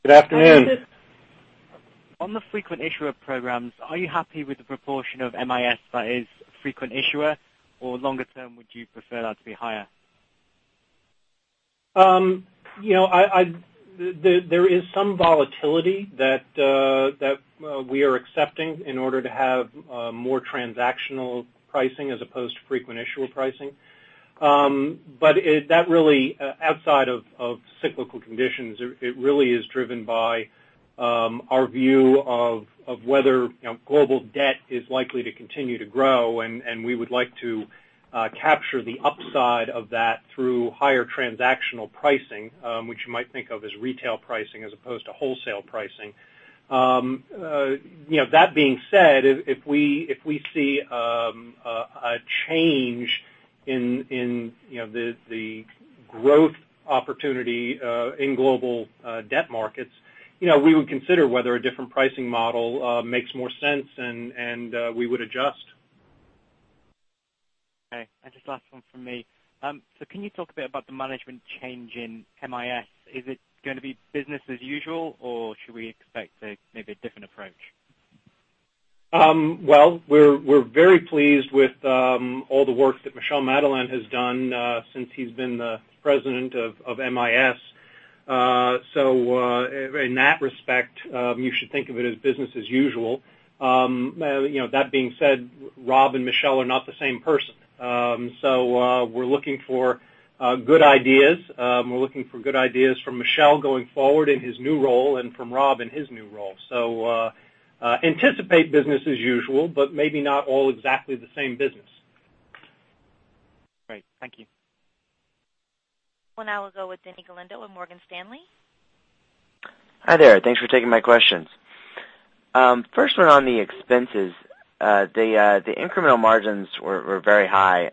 Good afternoon. Good afternoon. On the frequent issuer programs, are you happy with the proportion of MIS that is frequent issuer? Longer term, would you prefer that to be higher? There is some volatility that we are accepting in order to have more transactional pricing as opposed to frequent issuer pricing. Outside of cyclical conditions, it really is driven by our view of whether global debt is likely to continue to grow, and we would like to capture the upside of that through higher transactional pricing, which you might think of as retail pricing as opposed to wholesale pricing. That being said, if we see a change in the growth opportunity in global debt markets, we would consider whether a different pricing model makes more sense, and we would adjust. Just last one from me. Can you talk a bit about the management change in MIS? Is it going to be business as usual, or should we expect maybe a different approach? Well, we're very pleased with all the work that Michel Madelain has done since he's been the President of MIS. In that respect, you should think of it as business as usual. That being said, Rob and Michel are not the same person. We're looking for good ideas. We're looking for good ideas from Michel going forward in his new role and from Rob in his new role. Anticipate business as usual, but maybe not all exactly the same business. Great. Thank you. Now we'll go with Denny Galindo with Morgan Stanley. Hi there. Thanks for taking my questions. First one on the expenses. The incremental margins were very high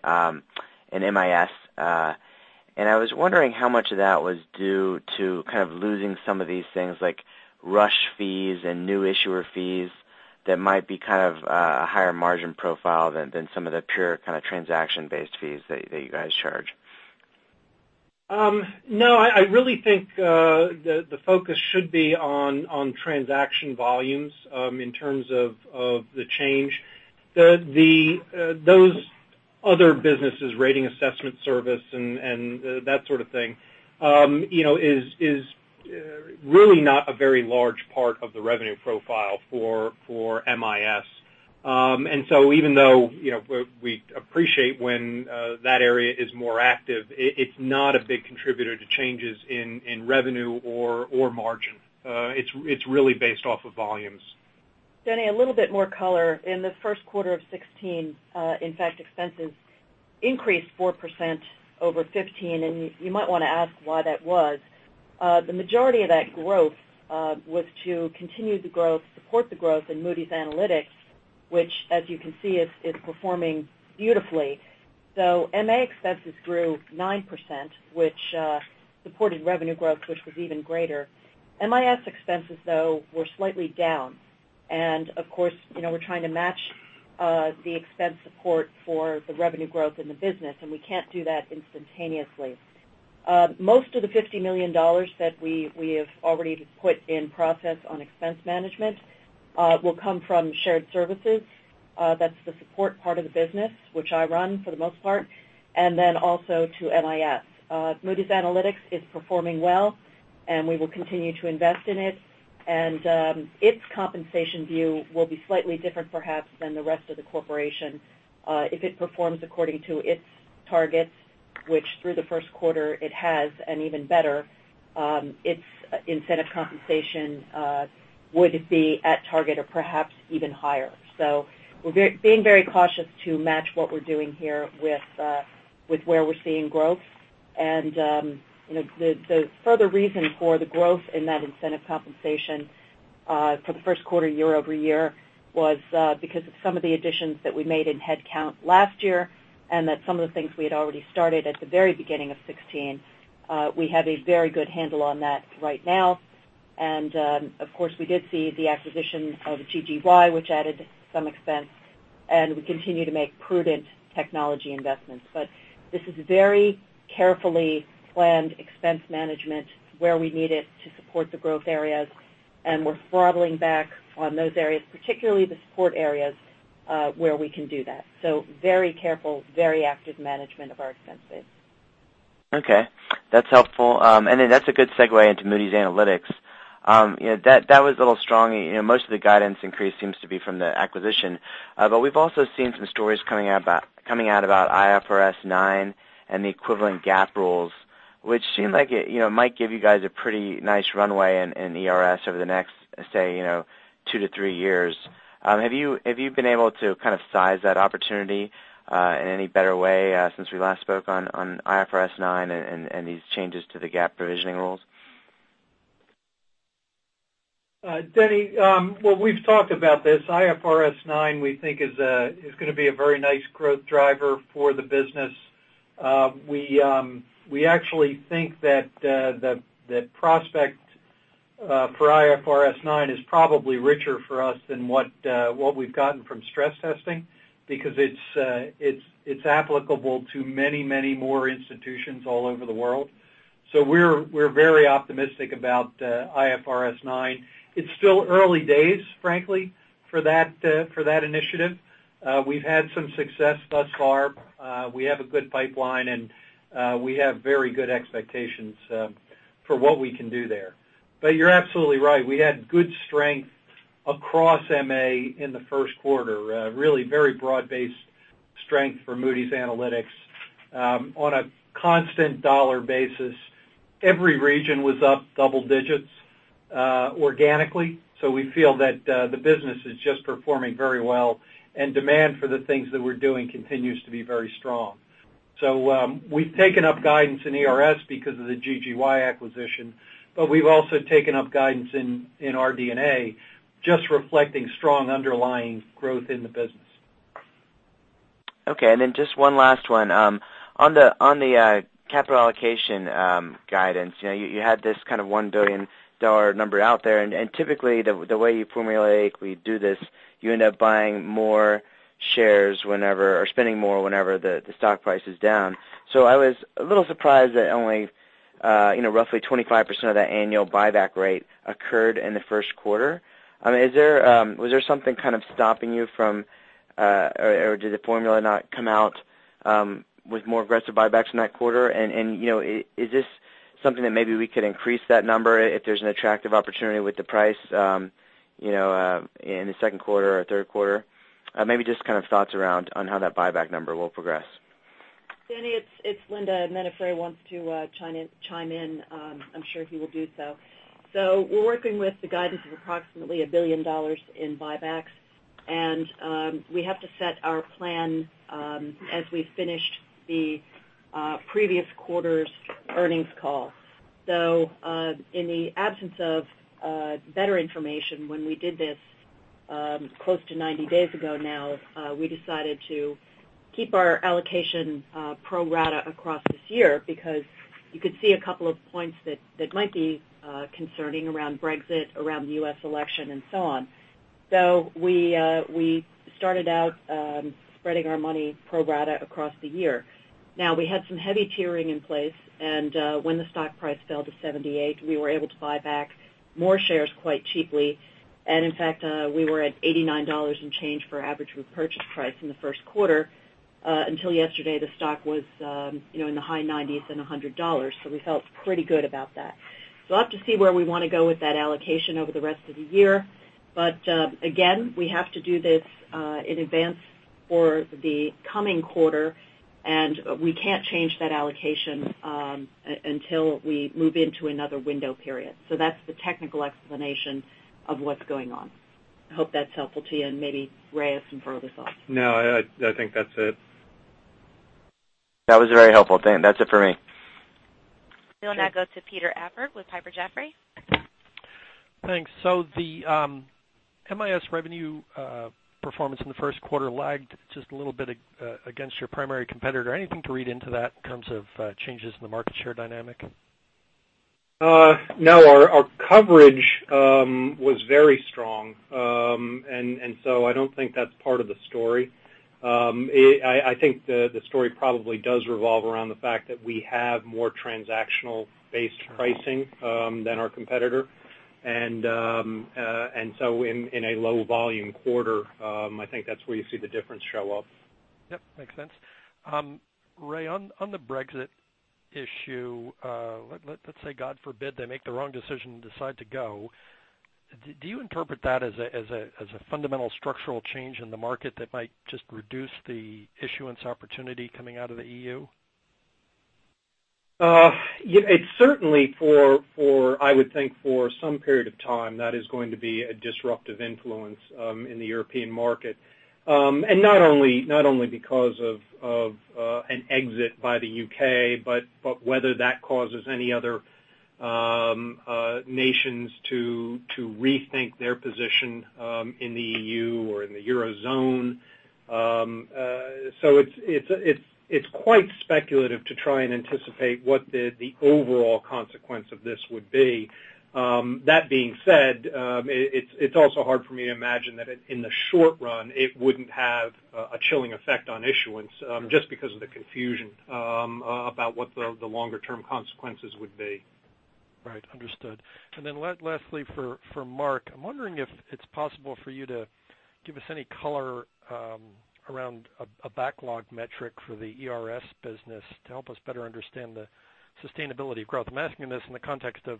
in MIS. I was wondering how much of that was due to kind of losing some of these things like rush fees and new issuer fees that might be kind of a higher margin profile than some of the pure kind of transaction-based fees that you guys charge. I really think the focus should be on transaction volumes in terms of the change. Those other businesses, rating assessment service and that sort of thing is really not a very large part of the revenue profile for MIS. Even though we appreciate when that area is more active, it's not a big contributor to changes in revenue or margin. It's really based off of volumes. Denny, a little bit more color. In the first quarter of 2016, in fact, expenses increased 4% over 2015. You might want to ask why that was. The majority of that growth was to continue the growth, support the growth in Moody's Analytics, which, as you can see, is performing beautifully. MA expenses grew 9%, which supported revenue growth, which was even greater. MIS expenses, though, were slightly down. Of course, we're trying to match the expense support for the revenue growth in the business, and we can't do that instantaneously. Most of the $50 million that we have already put in process on expense management will come from shared services. That's the support part of the business, which I run for the most part, and then also to MIS. Moody's Analytics is performing well, and we will continue to invest in it. Its compensation view will be slightly different perhaps than the rest of the corporation. If it performs according to its targets, which through the first quarter it has, and even better, its incentive compensation would be at target or perhaps even higher. We're being very cautious to match what we're doing here with where we're seeing growth. The further reason for the growth in that incentive compensation for the first quarter year-over-year was because of some of the additions that we made in headcount last year, and that some of the things we had already started at the very beginning of 2016. We have a very good handle on that right now. Of course, we did see the acquisition of GGY, which added some expense, and we continue to make prudent technology investments. This is very carefully planned expense management where we need it to support the growth areas. We're throttling back on those areas, particularly the support areas where we can do that. Very careful, very active management of our expenses. Okay. That's helpful. That's a good segue into Moody's Analytics. That was a little strong. Most of the guidance increase seems to be from the acquisition. We've also seen some stories coming out about IFRS 9 and the equivalent GAAP rules, which seem like it might give you guys a pretty nice runway in ERS over the next, say, two to three years. Have you been able to kind of size that opportunity in any better way since we last spoke on IFRS 9 and these changes to the GAAP provisioning rules? Denny, we've talked about this. IFRS 9 we think is going to be a very nice growth driver for the business. We actually think that the prospect for IFRS 9 is probably richer for us than what we've gotten from stress testing because it's applicable to many more institutions all over the world. We're very optimistic about IFRS 9. It's still early days, frankly, for that initiative. We've had some success thus far. We have a good pipeline, and we have very good expectations for what we can do there. You're absolutely right. We had good strength across MA in the first quarter, really very broad-based strength for Moody's Analytics. On a constant dollar basis, every region was up double digits organically. We feel that the business is just performing very well, and demand for the things that we're doing continues to be very strong. We've taken up guidance in ERS because of the GGY acquisition. We've also taken up guidance in RD&A just reflecting strong underlying growth in the business. Okay, just one last one. On the capital allocation guidance, you had this kind of $1 billion number out there. Typically, the way you formulate, we do this, you end up buying more shares whenever or spending more whenever the stock price is down. I was a little surprised that only roughly 25% of that annual buyback rate occurred in the first quarter. Was there something stopping you from or did the formula not come out with more aggressive buybacks in that quarter? Is this something that maybe we could increase that number if there's an attractive opportunity with the price in the second quarter or third quarter? Maybe just thoughts around on how that buyback number will progress. Denny, it's Linda. If Ray wants to chime in, I'm sure he will do so. We're working with the guidance of approximately $1 billion in buybacks, and we have to set our plan as we finished the previous quarter's earnings call. In the absence of better information, when we did this close to 90 days ago now, we decided to keep our allocation pro rata across this year because you could see a couple of points that might be concerning around Brexit, around the U.S. election, and so on. We started out spreading our money pro rata across the year. Now, we had some heavy tiering in place, and when the stock price fell to $78, we were able to buy back more shares quite cheaply. In fact, we were at $89 and change for average repurchase price in the first quarter. Until yesterday, the stock was in the high $90s and $100. We felt pretty good about that. I'll have to see where we want to go with that allocation over the rest of the year. Again, we have to do this in advance for the coming quarter, and we can't change that allocation until we move into another window period. That's the technical explanation of what's going on. I hope that's helpful to you, and maybe Ray has some further thoughts. No, I think that's it. That was very helpful. That's it for me. We will now go to Peter Appert with Piper Jaffray. Thanks. The MIS revenue performance in the first quarter lagged just a little bit against your primary competitor. Anything to read into that in terms of changes in the market share dynamic? No, our coverage was very strong, I don't think that's part of the story. I think the story probably does revolve around the fact that we have more transactional-based pricing than our competitor. In a low-volume quarter, I think that's where you see the difference show up. Yep, makes sense. Ray, on the Brexit issue, let's say, God forbid, they make the wrong decision and decide to go. Do you interpret that as a fundamental structural change in the market that might just reduce the issuance opportunity coming out of the EU? It's certainly for, I would think for some period of time, that is going to be a disruptive influence in the European market. Not only because of an exit by the U.K., but whether that causes any other nations to rethink their position in the EU or in the Eurozone. It's quite speculative to try and anticipate what the overall consequence of this would be. That being said, it's also hard for me to imagine that in the short run, it wouldn't have a chilling effect on issuance, just because of the confusion about what the longer-term consequences would be. Right. Understood. Lastly, for Mark, I'm wondering if it's possible for you to give us any color around a backlog metric for the ERS business to help us better understand the sustainability of growth. I'm asking this in the context of,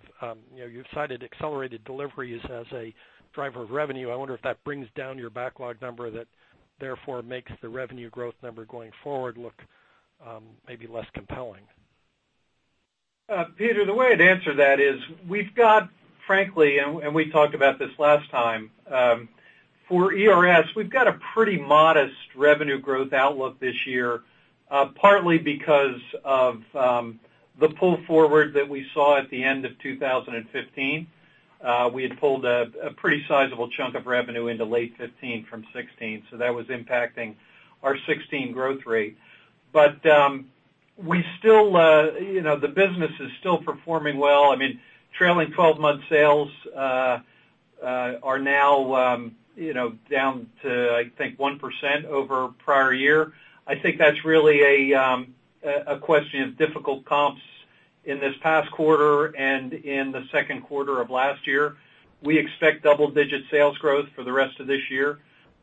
you've cited accelerated deliveries as a driver of revenue. I wonder if that brings down your backlog number, that therefore makes the revenue growth number going forward look maybe less compelling. Peter, the way I'd answer that is we've got, frankly, we talked about this last time, for ERS, we've got a pretty modest revenue growth outlook this year, partly because of the pull forward that we saw at the end of 2015. We had pulled a pretty sizable chunk of revenue into late 2015 from 2016, that was impacting our 2016 growth rate. The business is still performing well. Trailing 12-month sales are now down to, I think, 1% over prior year. I think that's really a question of difficult comps in this past quarter and in the second quarter of last year. We expect double-digit sales growth for the rest of this year.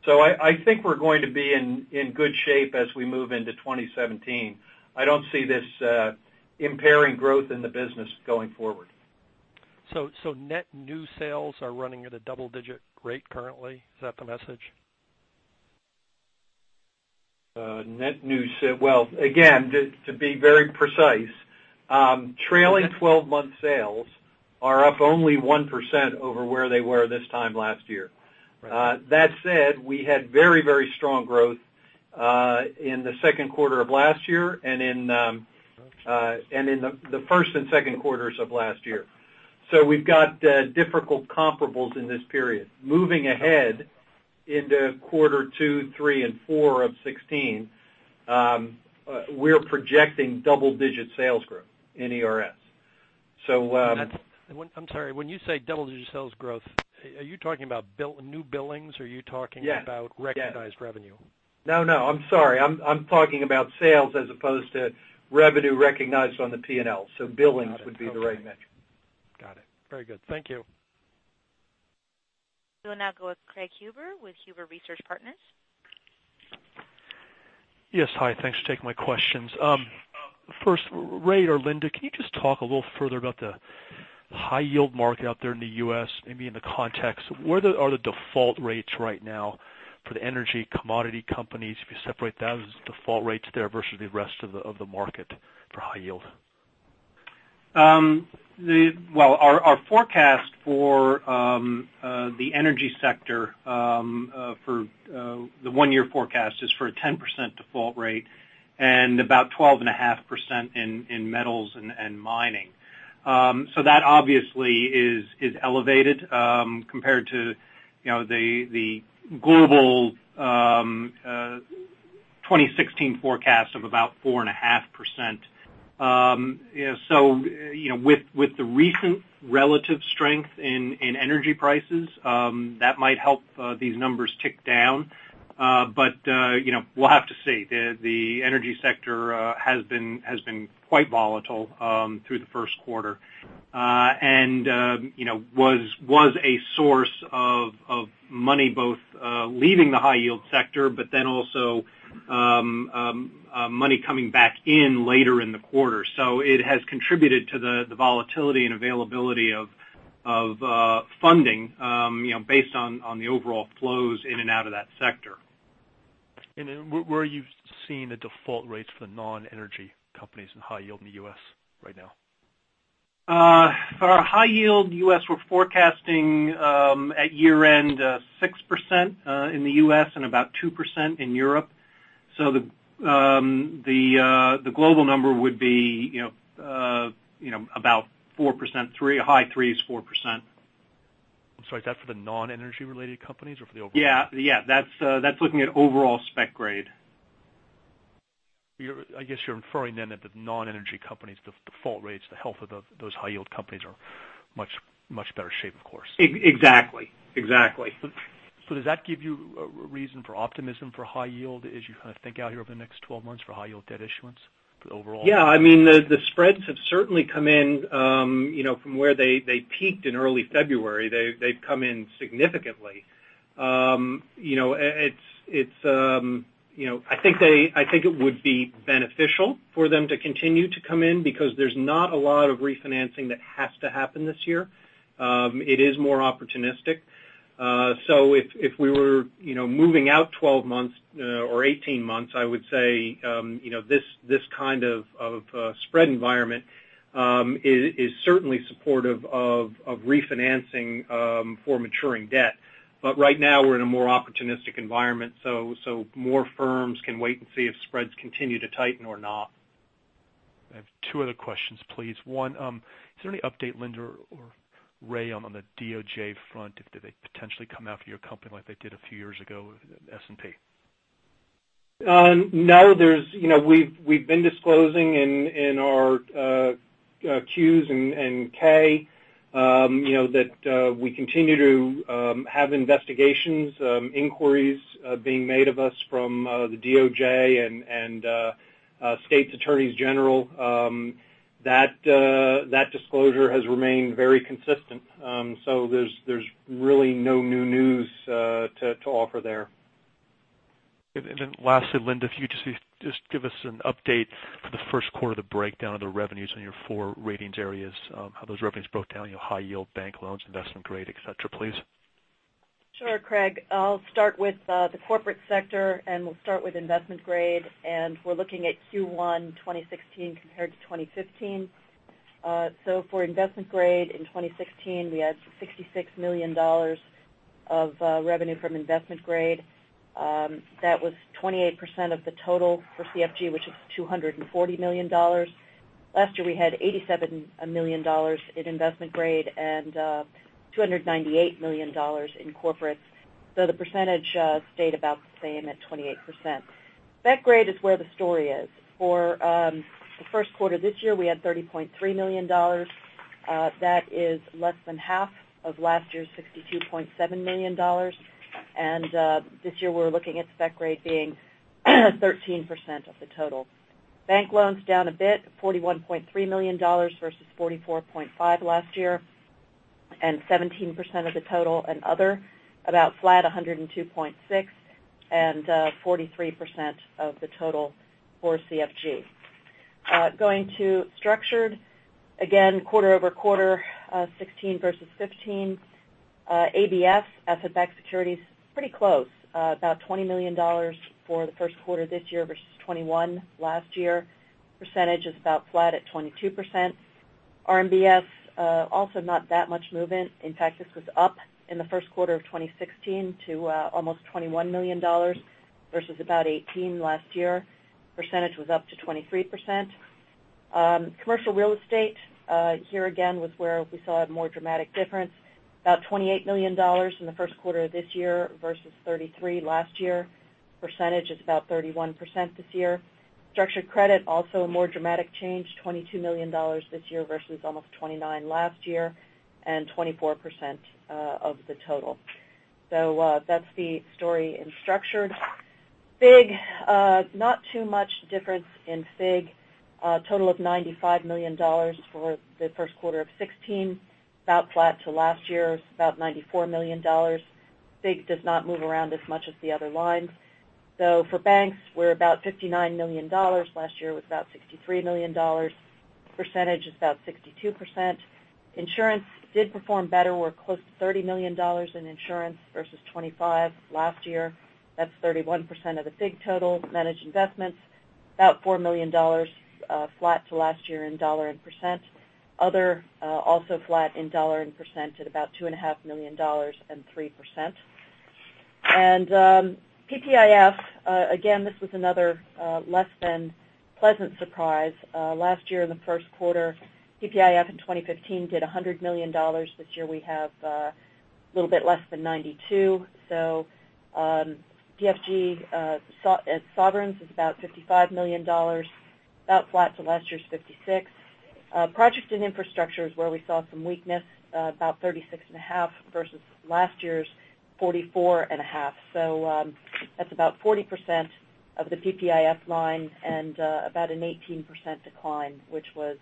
I think we're going to be in good shape as we move into 2017. I don't see this impairing growth in the business going forward. Net new sales are running at a double-digit rate currently. Is that the message? Net new— Well, again, to be very precise, trailing 12-month sales are up only 1% over where they were this time last year. Right. That said, we had very strong growth in the second quarter of last year and in the first and second quarters of last year. We've got difficult comparables in this period. Moving ahead into quarter 2, 3, and 4 of 2016, we're projecting double-digit sales growth in ERS. I'm sorry. When you say double-digit sales growth, are you talking about new billings or are you talking about- Yes recognized revenue? No, I'm sorry. I'm talking about sales as opposed to revenue recognized on the P&L. Billings would be the right metric. Got it. Very good. Thank you. We will now go with Craig Huber with Huber Research Partners. Yes, hi. Thanks for taking my questions. First, Ray or Linda, can you just talk a little further about the high yield market out there in the U.S., maybe in the context, where are the default rates right now for the energy commodity companies? If you separate those default rates there versus the rest of the market for high yield. Our forecast for the energy sector, the one-year forecast is for a 10% default rate and about 12.5% in metals and mining. That obviously is elevated, compared to the global 2016 forecast of about 4.5%. With the recent relative strength in energy prices, that might help these numbers tick down. We'll have to see. The energy sector has been quite volatile through the first quarter. Was a source of money both leaving the high yield sector, but then also money coming back in later in the quarter. It has contributed to the volatility and availability of funding based on the overall flows in and out of that sector. Where are you seeing the default rates for the non-energy companies in high yield in the U.S. right now? For our high yield U.S., we're forecasting at year-end 6% in the U.S. and about 2% in Europe. The global number would be about 4%, high threes, 4%. I'm sorry, is that for the non-energy related companies or for the overall? That's looking at overall spec grade. I guess you're inferring that the non-energy companies, the default rates, the health of those high yield companies are much better shape, of course. Exactly. Does that give you a reason for optimism for high yield as you kind of think out here over the next 12 months for high yield debt issuance overall? The spreads have certainly come in from where they peaked in early February. They've come in significantly. I think it would be beneficial for them to continue to come in because there's not a lot of refinancing that has to happen this year. It is more opportunistic. If we were moving out 12 months or 18 months, I would say this kind of spread environment is certainly supportive of refinancing for maturing debt. Right now we're in a more opportunistic environment, more firms can wait and see if spreads continue to tighten or not. I have two other questions, please. One, is there any update, Linda or Ray, on the DOJ front? Did they potentially come after your company like they did a few years ago with S&P? No. We've been disclosing in our Qs and K that we continue to have investigations, inquiries being made of us from the DOJ and state's attorneys general. That disclosure has remained very consistent. There's really no new news to offer there. Lastly, Linda, if you could just give us an update for the first quarter, the breakdown of the revenues on your four ratings areas, how those revenues broke down, high yield bank loans, investment grade, et cetera, please. Sure, Craig. I'll start with the corporate sector. We'll start with investment grade. We're looking at Q1 2016 compared to 2015. For investment grade in 2016, we had $66 million of revenue from investment grade. That was 28% of the total for CFG, which is $240 million. Last year, we had $87 million in investment grade and $298 million in corporate. The percentage stayed about the same at 28%. Spec grade is where the story is. For the first quarter this year, we had $30.3 million. That is less than half of last year's $62.7 million. This year, we're looking at spec grade being 13% of the total. Bank loans down a bit, $41.3 million versus $44.5 last year, and 17% of the total and other, about flat, $102.6 and 43% of the total for CFG. Going to structured, again, quarter-over-quarter, 2016 versus 2015. ABS, asset-backed securities, pretty close, about $20 million for the first quarter this year versus $21 million last year. Percentage is about flat at 22%. RMBS, also not that much movement. In fact, this was up in the first quarter of 2016 to almost $21 million versus about $18 million last year. Percentage was up to 23%. Commercial real estate, here again, was where we saw a more dramatic difference. About $28 million in the first quarter of this year versus $33 million last year. Percentage is about 31% this year. Structured credit, also a more dramatic change, $22 million this year versus almost $29 million last year, and 24% of the total. That's the story in structured. FIG, not too much difference in FIG. A total of $95 million for the first quarter of 2016, about flat to last year's, about $94 million. FIG does not move around as much as the other lines. For banks, we're about $59 million. Last year was about $63 million. Percentage is about 62%. Insurance did perform better. We're close to $30 million in insurance versus $25 million last year. That's 31% of the FIG total. Managed investments, about $4 million, flat to last year in dollar and percent. Other, also flat in dollar and percent at about $2.5 million and 3%. PPIF, again, this was another less than pleasant surprise. Last year in the first quarter, PPIF in 2015 did $100 million. This year we have a little bit less than $92 million. FIG sovereigns is about $55 million, about flat to last year's $56 million. Projects and infrastructure is where we saw some weakness, about $36.5 million versus last year's $44.5 million. That's about 40% of the PPIF line and about an 18% decline, which was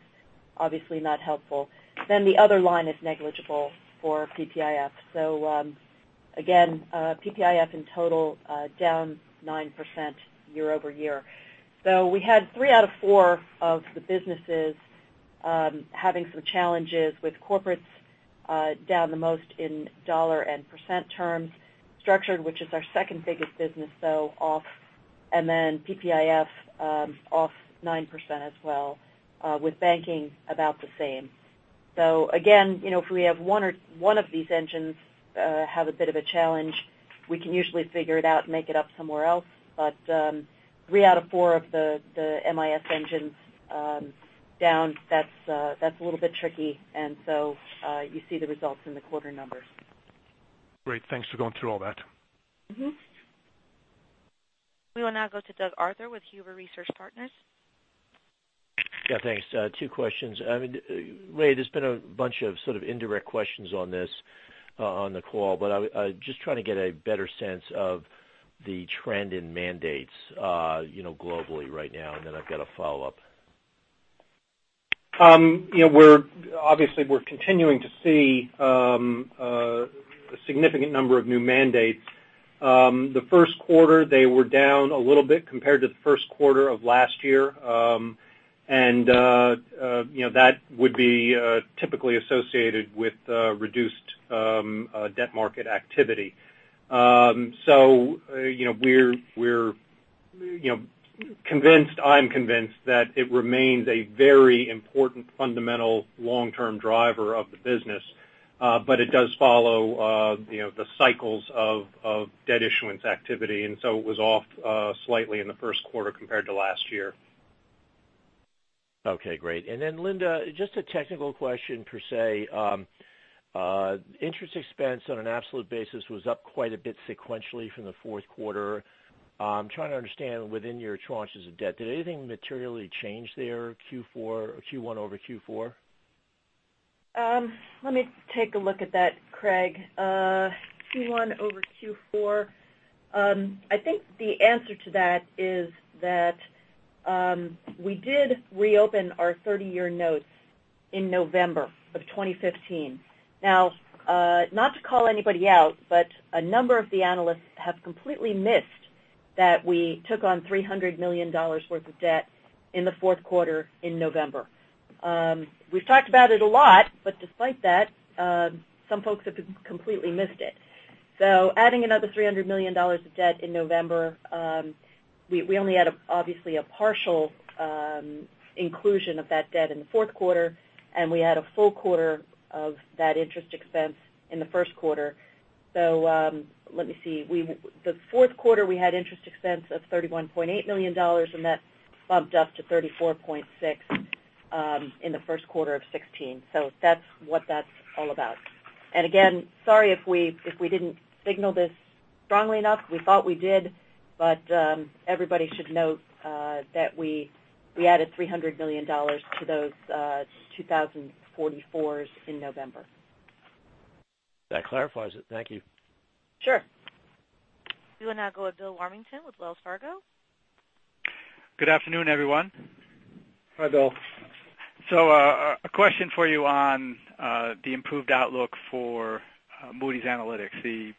obviously not helpful. The other line is negligible for PPIF. Again, PPIF in total down 9% year-over-year. We had three out of four of the businesses having some challenges, with corporates down the most in dollar and percent terms. Structured, which is our second biggest business, though, off. PPIF off 9% as well, with banking about the same. Again, if we have one of these engines have a bit of a challenge, we can usually figure it out and make it up somewhere else. Three out of four of the MIS engines down, that's a little bit tricky. You see the results in the quarter numbers. Great. Thanks for going through all that. We will now go to Doug Arthur with Huber Research Partners. Yeah, thanks. Two questions. Ray, there's been a bunch of sort of indirect questions on this on the call, but I was just trying to get a better sense of the trend in mandates globally right now, and then I've got a follow-up. Obviously we're continuing to see a significant number of new mandates. The first quarter, they were down a little bit compared to the first quarter of last year. That would be typically associated with reduced debt market activity. I'm convinced that it remains a very important fundamental long-term driver of the business. It does follow the cycles of debt issuance activity, it was off slightly in the first quarter compared to last year. Okay, great. Linda, just a technical question per se. Interest expense on an absolute basis was up quite a bit sequentially from the fourth quarter. I'm trying to understand within your tranches of debt, did anything materially change there Q1 over Q4? Let me take a look at that, Craig. Q1 over Q4. I think the answer to that is that we did reopen our 30-year notes in November of 2015. A number of the analysts have completely missed that we took on $300 million worth of debt in the fourth quarter in November. We've talked about it a lot, but despite that, some folks have completely missed it. Adding another $300 million of debt in November, we only had, obviously, a partial inclusion of that debt in the fourth quarter, and we had a full quarter of that interest expense in the first quarter. Let me see. The fourth quarter, we had interest expense of $31.8 million, and that bumped up to $34.6 million in the first quarter of 2016. That's what that's all about. Again, sorry if we didn't signal this strongly enough. We thought we did, but everybody should note that we added $300 million to those 2044s in November. That clarifies it. Thank you. Sure. We will now go with Bill Warmington with Wells Fargo. Good afternoon, everyone. Hi, Bill. A question for you on the improved outlook for Moody's Analytics.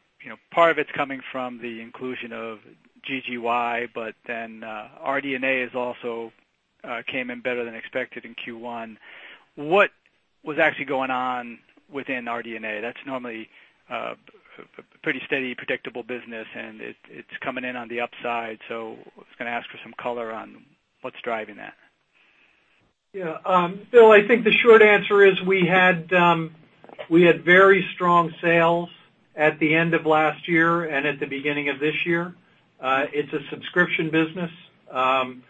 Part of it's coming from the inclusion of GGY. RD&A also came in better than expected in Q1. What was actually going on within RD&A? That's normally a pretty steady, predictable business, and it's coming in on the upside. I was going to ask for some color on what's driving that. Yeah. Bill, I think the short answer is we had very strong sales at the end of last year and at the beginning of this year. It's a subscription business. Having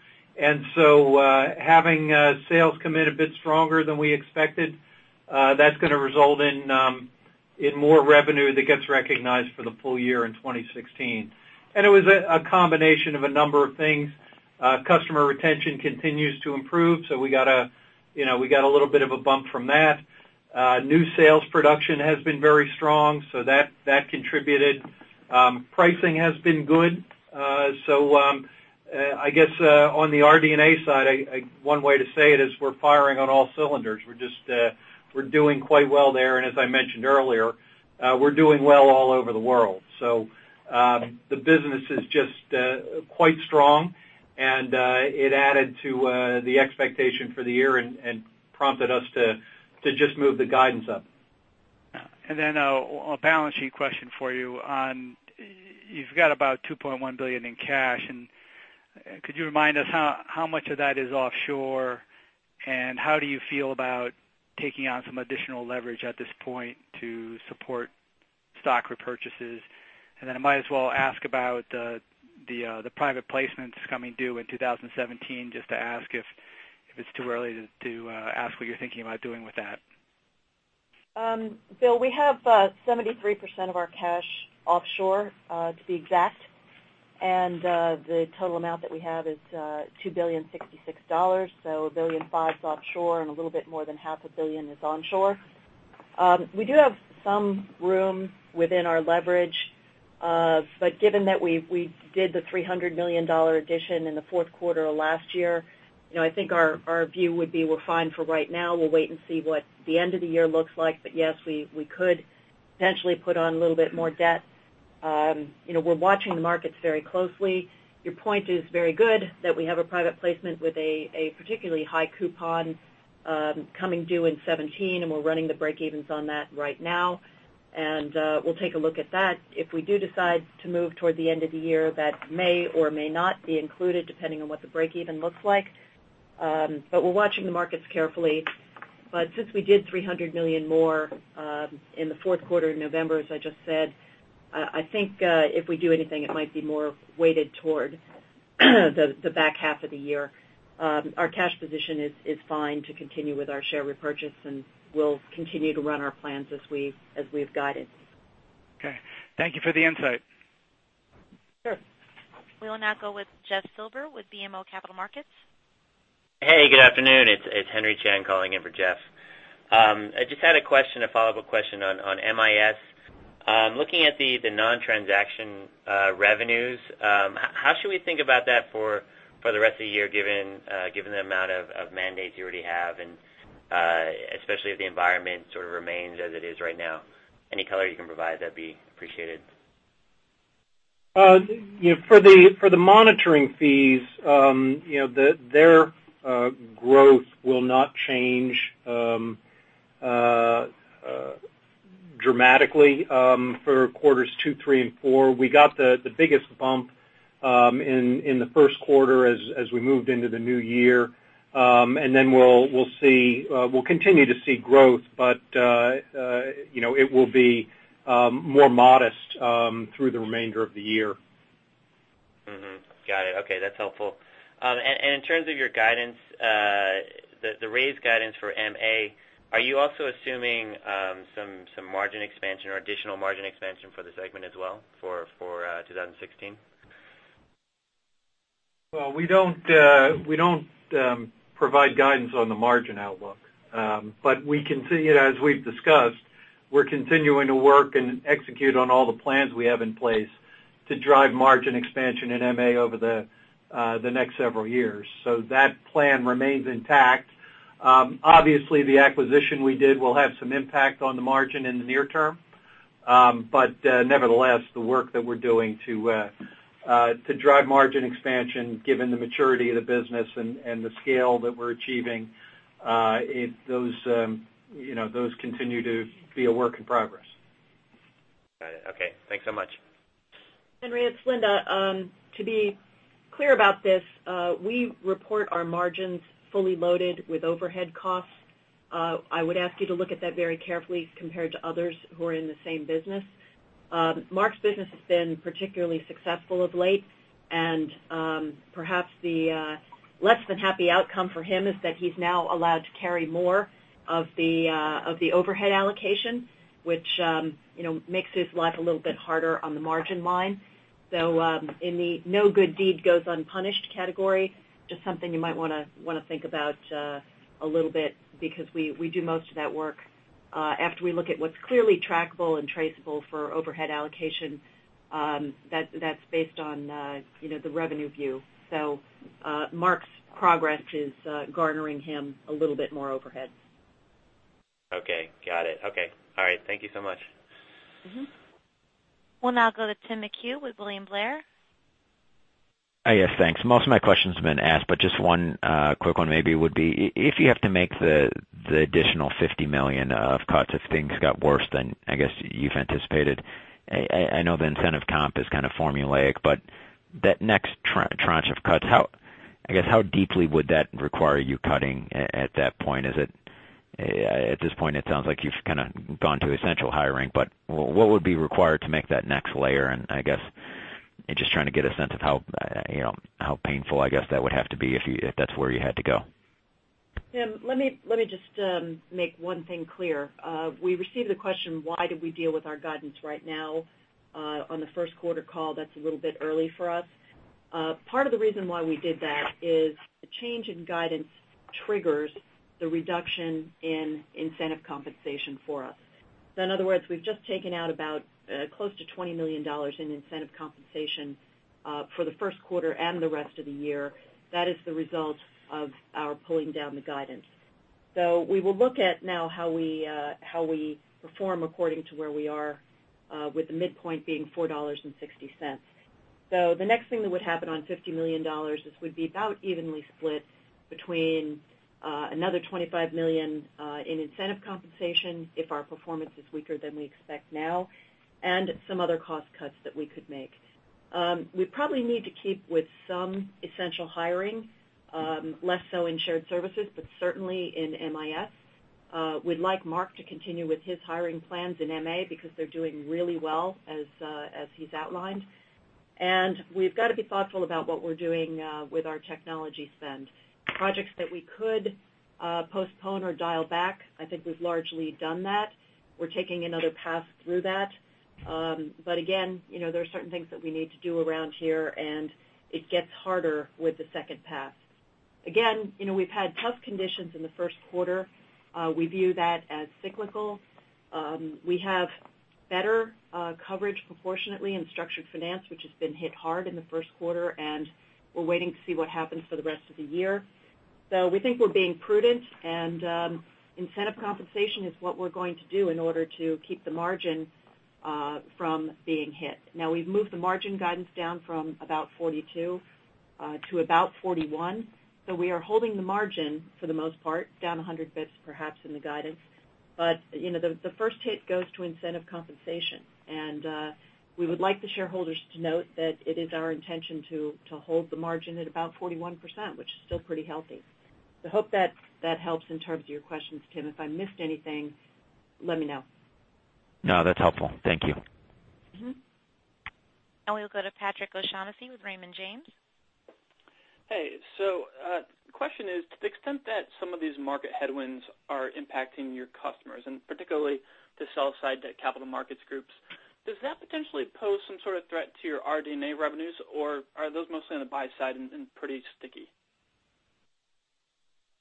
sales come in a bit stronger than we expected, that's going to result in In more revenue that gets recognized for the full year in 2016. It was a combination of a number of things. Customer retention continues to improve, so we got a little bit of a bump from that. New sales production has been very strong, so that contributed. Pricing has been good. I guess, on the RD&A side, one way to say it is we're firing on all cylinders. We're doing quite well there, and as I mentioned earlier, we're doing well all over the world. The business is just quite strong, and it added to the expectation for the year and prompted us to just move the guidance up. A balance sheet question for you on, you've got about $2.1 billion in cash, and could you remind us how much of that is offshore, and how do you feel about taking on some additional leverage at this point to support stock repurchases? I might as well ask about the private placements coming due in 2017, just to ask if it's too early to ask what you're thinking about doing with that. Bill, we have 73% of our cash offshore, to be exact. The total amount that we have is $2.066 billion. $1,500,000,000 is offshore, and a little bit more than half a billion is onshore. We do have some room within our leverage. Given that we did the $300,000,000 addition in the fourth quarter of last year, I think our view would be we're fine for right now. We'll wait and see what the end of the year looks like. Yes, we could potentially put on a little bit more debt. We're watching the markets very closely. Your point is very good, that we have a private placement with a particularly high coupon coming due in 2017, and we're running the breakevens on that right now, and we'll take a look at that. If we do decide to move toward the end of the year, that may or may not be included, depending on what the breakeven looks like. We're watching the markets carefully. Since we did $300 million more in the fourth quarter in November, as I just said, I think, if we do anything, it might be more weighted toward the back half of the year. Our cash position is fine to continue with our share repurchase, and we'll continue to run our plans as we've guided. Okay. Thank you for the insight. Sure. We will now go with Jeffrey Silber with BMO Capital Markets. Hey, good afternoon. It's Henry Chan calling in for Jeff. I just had a follow-up question on MIS. Looking at the non-transaction revenues, how should we think about that for the rest of the year, given the amount of mandates you already have, and especially if the environment sort of remains as it is right now? Any color you can provide, that'd be appreciated. For the monitoring fees, their growth will not change dramatically for quarters two, three, and four. We got the biggest bump in the first quarter as we moved into the new year. We'll continue to see growth, but it will be more modest through the remainder of the year. Got it. Okay, that's helpful. In terms of your guidance, the raised guidance for MA, are you also assuming some margin expansion or additional margin expansion for the segment as well for 2016? Well, we don't provide guidance on the margin outlook. As we've discussed, we're continuing to work and execute on all the plans we have in place to drive margin expansion in MA over the next several years. That plan remains intact. Obviously, the acquisition we did will have some impact on the margin in the near term. Nevertheless, the work that we're doing to drive margin expansion, given the maturity of the business and the scale that we're achieving, those continue to be a work in progress. Got it. Okay. Thanks so much. Henry, it's Linda. To be clear about this, we report our margins fully loaded with overhead costs. I would ask you to look at that very carefully compared to others who are in the same business. Mark's business has been particularly successful of late, perhaps the less than happy outcome for him is that he's now allowed to carry more of the overhead allocation, which makes his life a little bit harder on the margin line. In the no good deed goes unpunished category, just something you might want to think about a little bit, because we do most of that work after we look at what's clearly trackable and traceable for overhead allocation. That's based on the revenue view. Mark's progress is garnering him a little bit more overhead. Okay, got it. Okay. All right. Thank you so much. We'll now go to Timothy McHugh with William Blair. Yes, thanks. Most of my questions have been asked, but just one quick one maybe would be, if you have to make the additional $50 million of cuts if things got worse than I guess you've anticipated, I know the incentive comp is kind of formulaic, but that next tranche of cuts, I guess, how deeply would that require you cutting at that point? At this point, it sounds like you've kind of gone to essential hiring, but what would be required to make that next layer? I guess, just trying to get a sense of how painful I guess that would have to be if that's where you had to go. Tim, let me just make one thing clear. We received the question, why did we deal with our guidance right now on the first quarter call? That's a little bit early for us. Part of the reason why we did that is the change in guidance triggers the reduction in incentive compensation for us. In other words, we've just taken out about close to $20 million in incentive compensation for the first quarter and the rest of the year. That is the result of our pulling down the guidance. We will look at now how we perform according to where we are with the midpoint being $4.60. The next thing that would happen on $50 million is would be about evenly split between another $25 million in incentive compensation if our performance is weaker than we expect now, and some other cost cuts that we could make. We probably need to keep with some essential hiring, less so in shared services, but certainly in MIS. We'd like Mark to continue with his hiring plans in MA because they're doing really well as he's outlined. We've got to be thoughtful about what we're doing with our technology spend. Projects that we could postpone or dial back, I think we've largely done that. We're taking another pass through that. Again, there are certain things that we need to do around here, and it gets harder with the second pass. We've had tough conditions in the first quarter. We view that as cyclical. We have better coverage proportionately in structured finance, which has been hit hard in the first quarter. We're waiting to see what happens for the rest of the year. We think we're being prudent. Incentive compensation is what we're going to do in order to keep the margin from being hit. We've moved the margin guidance down from about 42 to about 41. We are holding the margin, for the most part, down 100 basis points, perhaps in the guidance. The first hit goes to incentive compensation. We would like the shareholders to note that it is our intention to hold the margin at about 41%, which is still pretty healthy. I hope that helps in terms of your questions, Tim. If I missed anything, let me know. That's helpful. Thank you. We will go to Patrick O'Shaughnessy with Raymond James. Question is, to the extent that some of these market headwinds are impacting your customers, and particularly the sell side, the capital markets groups, does that potentially pose some sort of threat to your RD&A revenues, or are those mostly on the buy side and pretty sticky?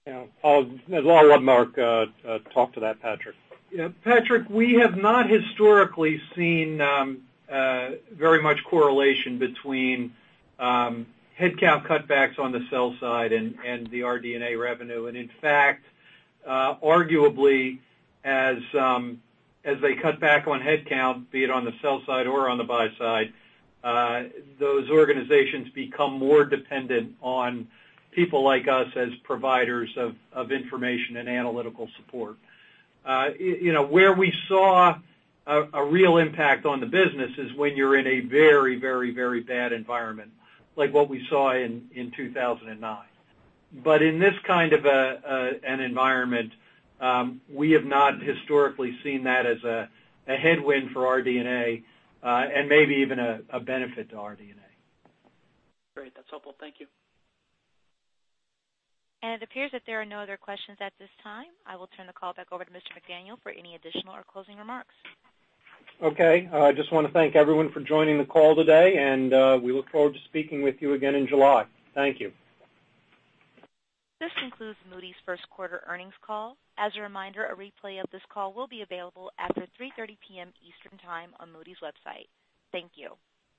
Yeah. I'll let Mark talk to that, Patrick. Yeah. Patrick, we have not historically seen very much correlation between headcount cutbacks on the sell side and the RD&A revenue. In fact, arguably, as they cut back on headcount, be it on the sell side or on the buy side, those organizations become more dependent on people like us as providers of information and analytical support. Where we saw a real impact on the business is when you're in a very bad environment, like what we saw in 2009. In this kind of an environment, we have not historically seen that as a headwind for RD&A, and maybe even a benefit to RD&A. Great. That's helpful. Thank you. It appears that there are no other questions at this time. I will turn the call back over to Mr. McDaniel for any additional or closing remarks. Okay. I just want to thank everyone for joining the call today. We look forward to speaking with you again in July. Thank you. This concludes Moody's first quarter earnings call. As a reminder, a replay of this call will be available after 3:30 P.M. Eastern Time on Moody's website. Thank you.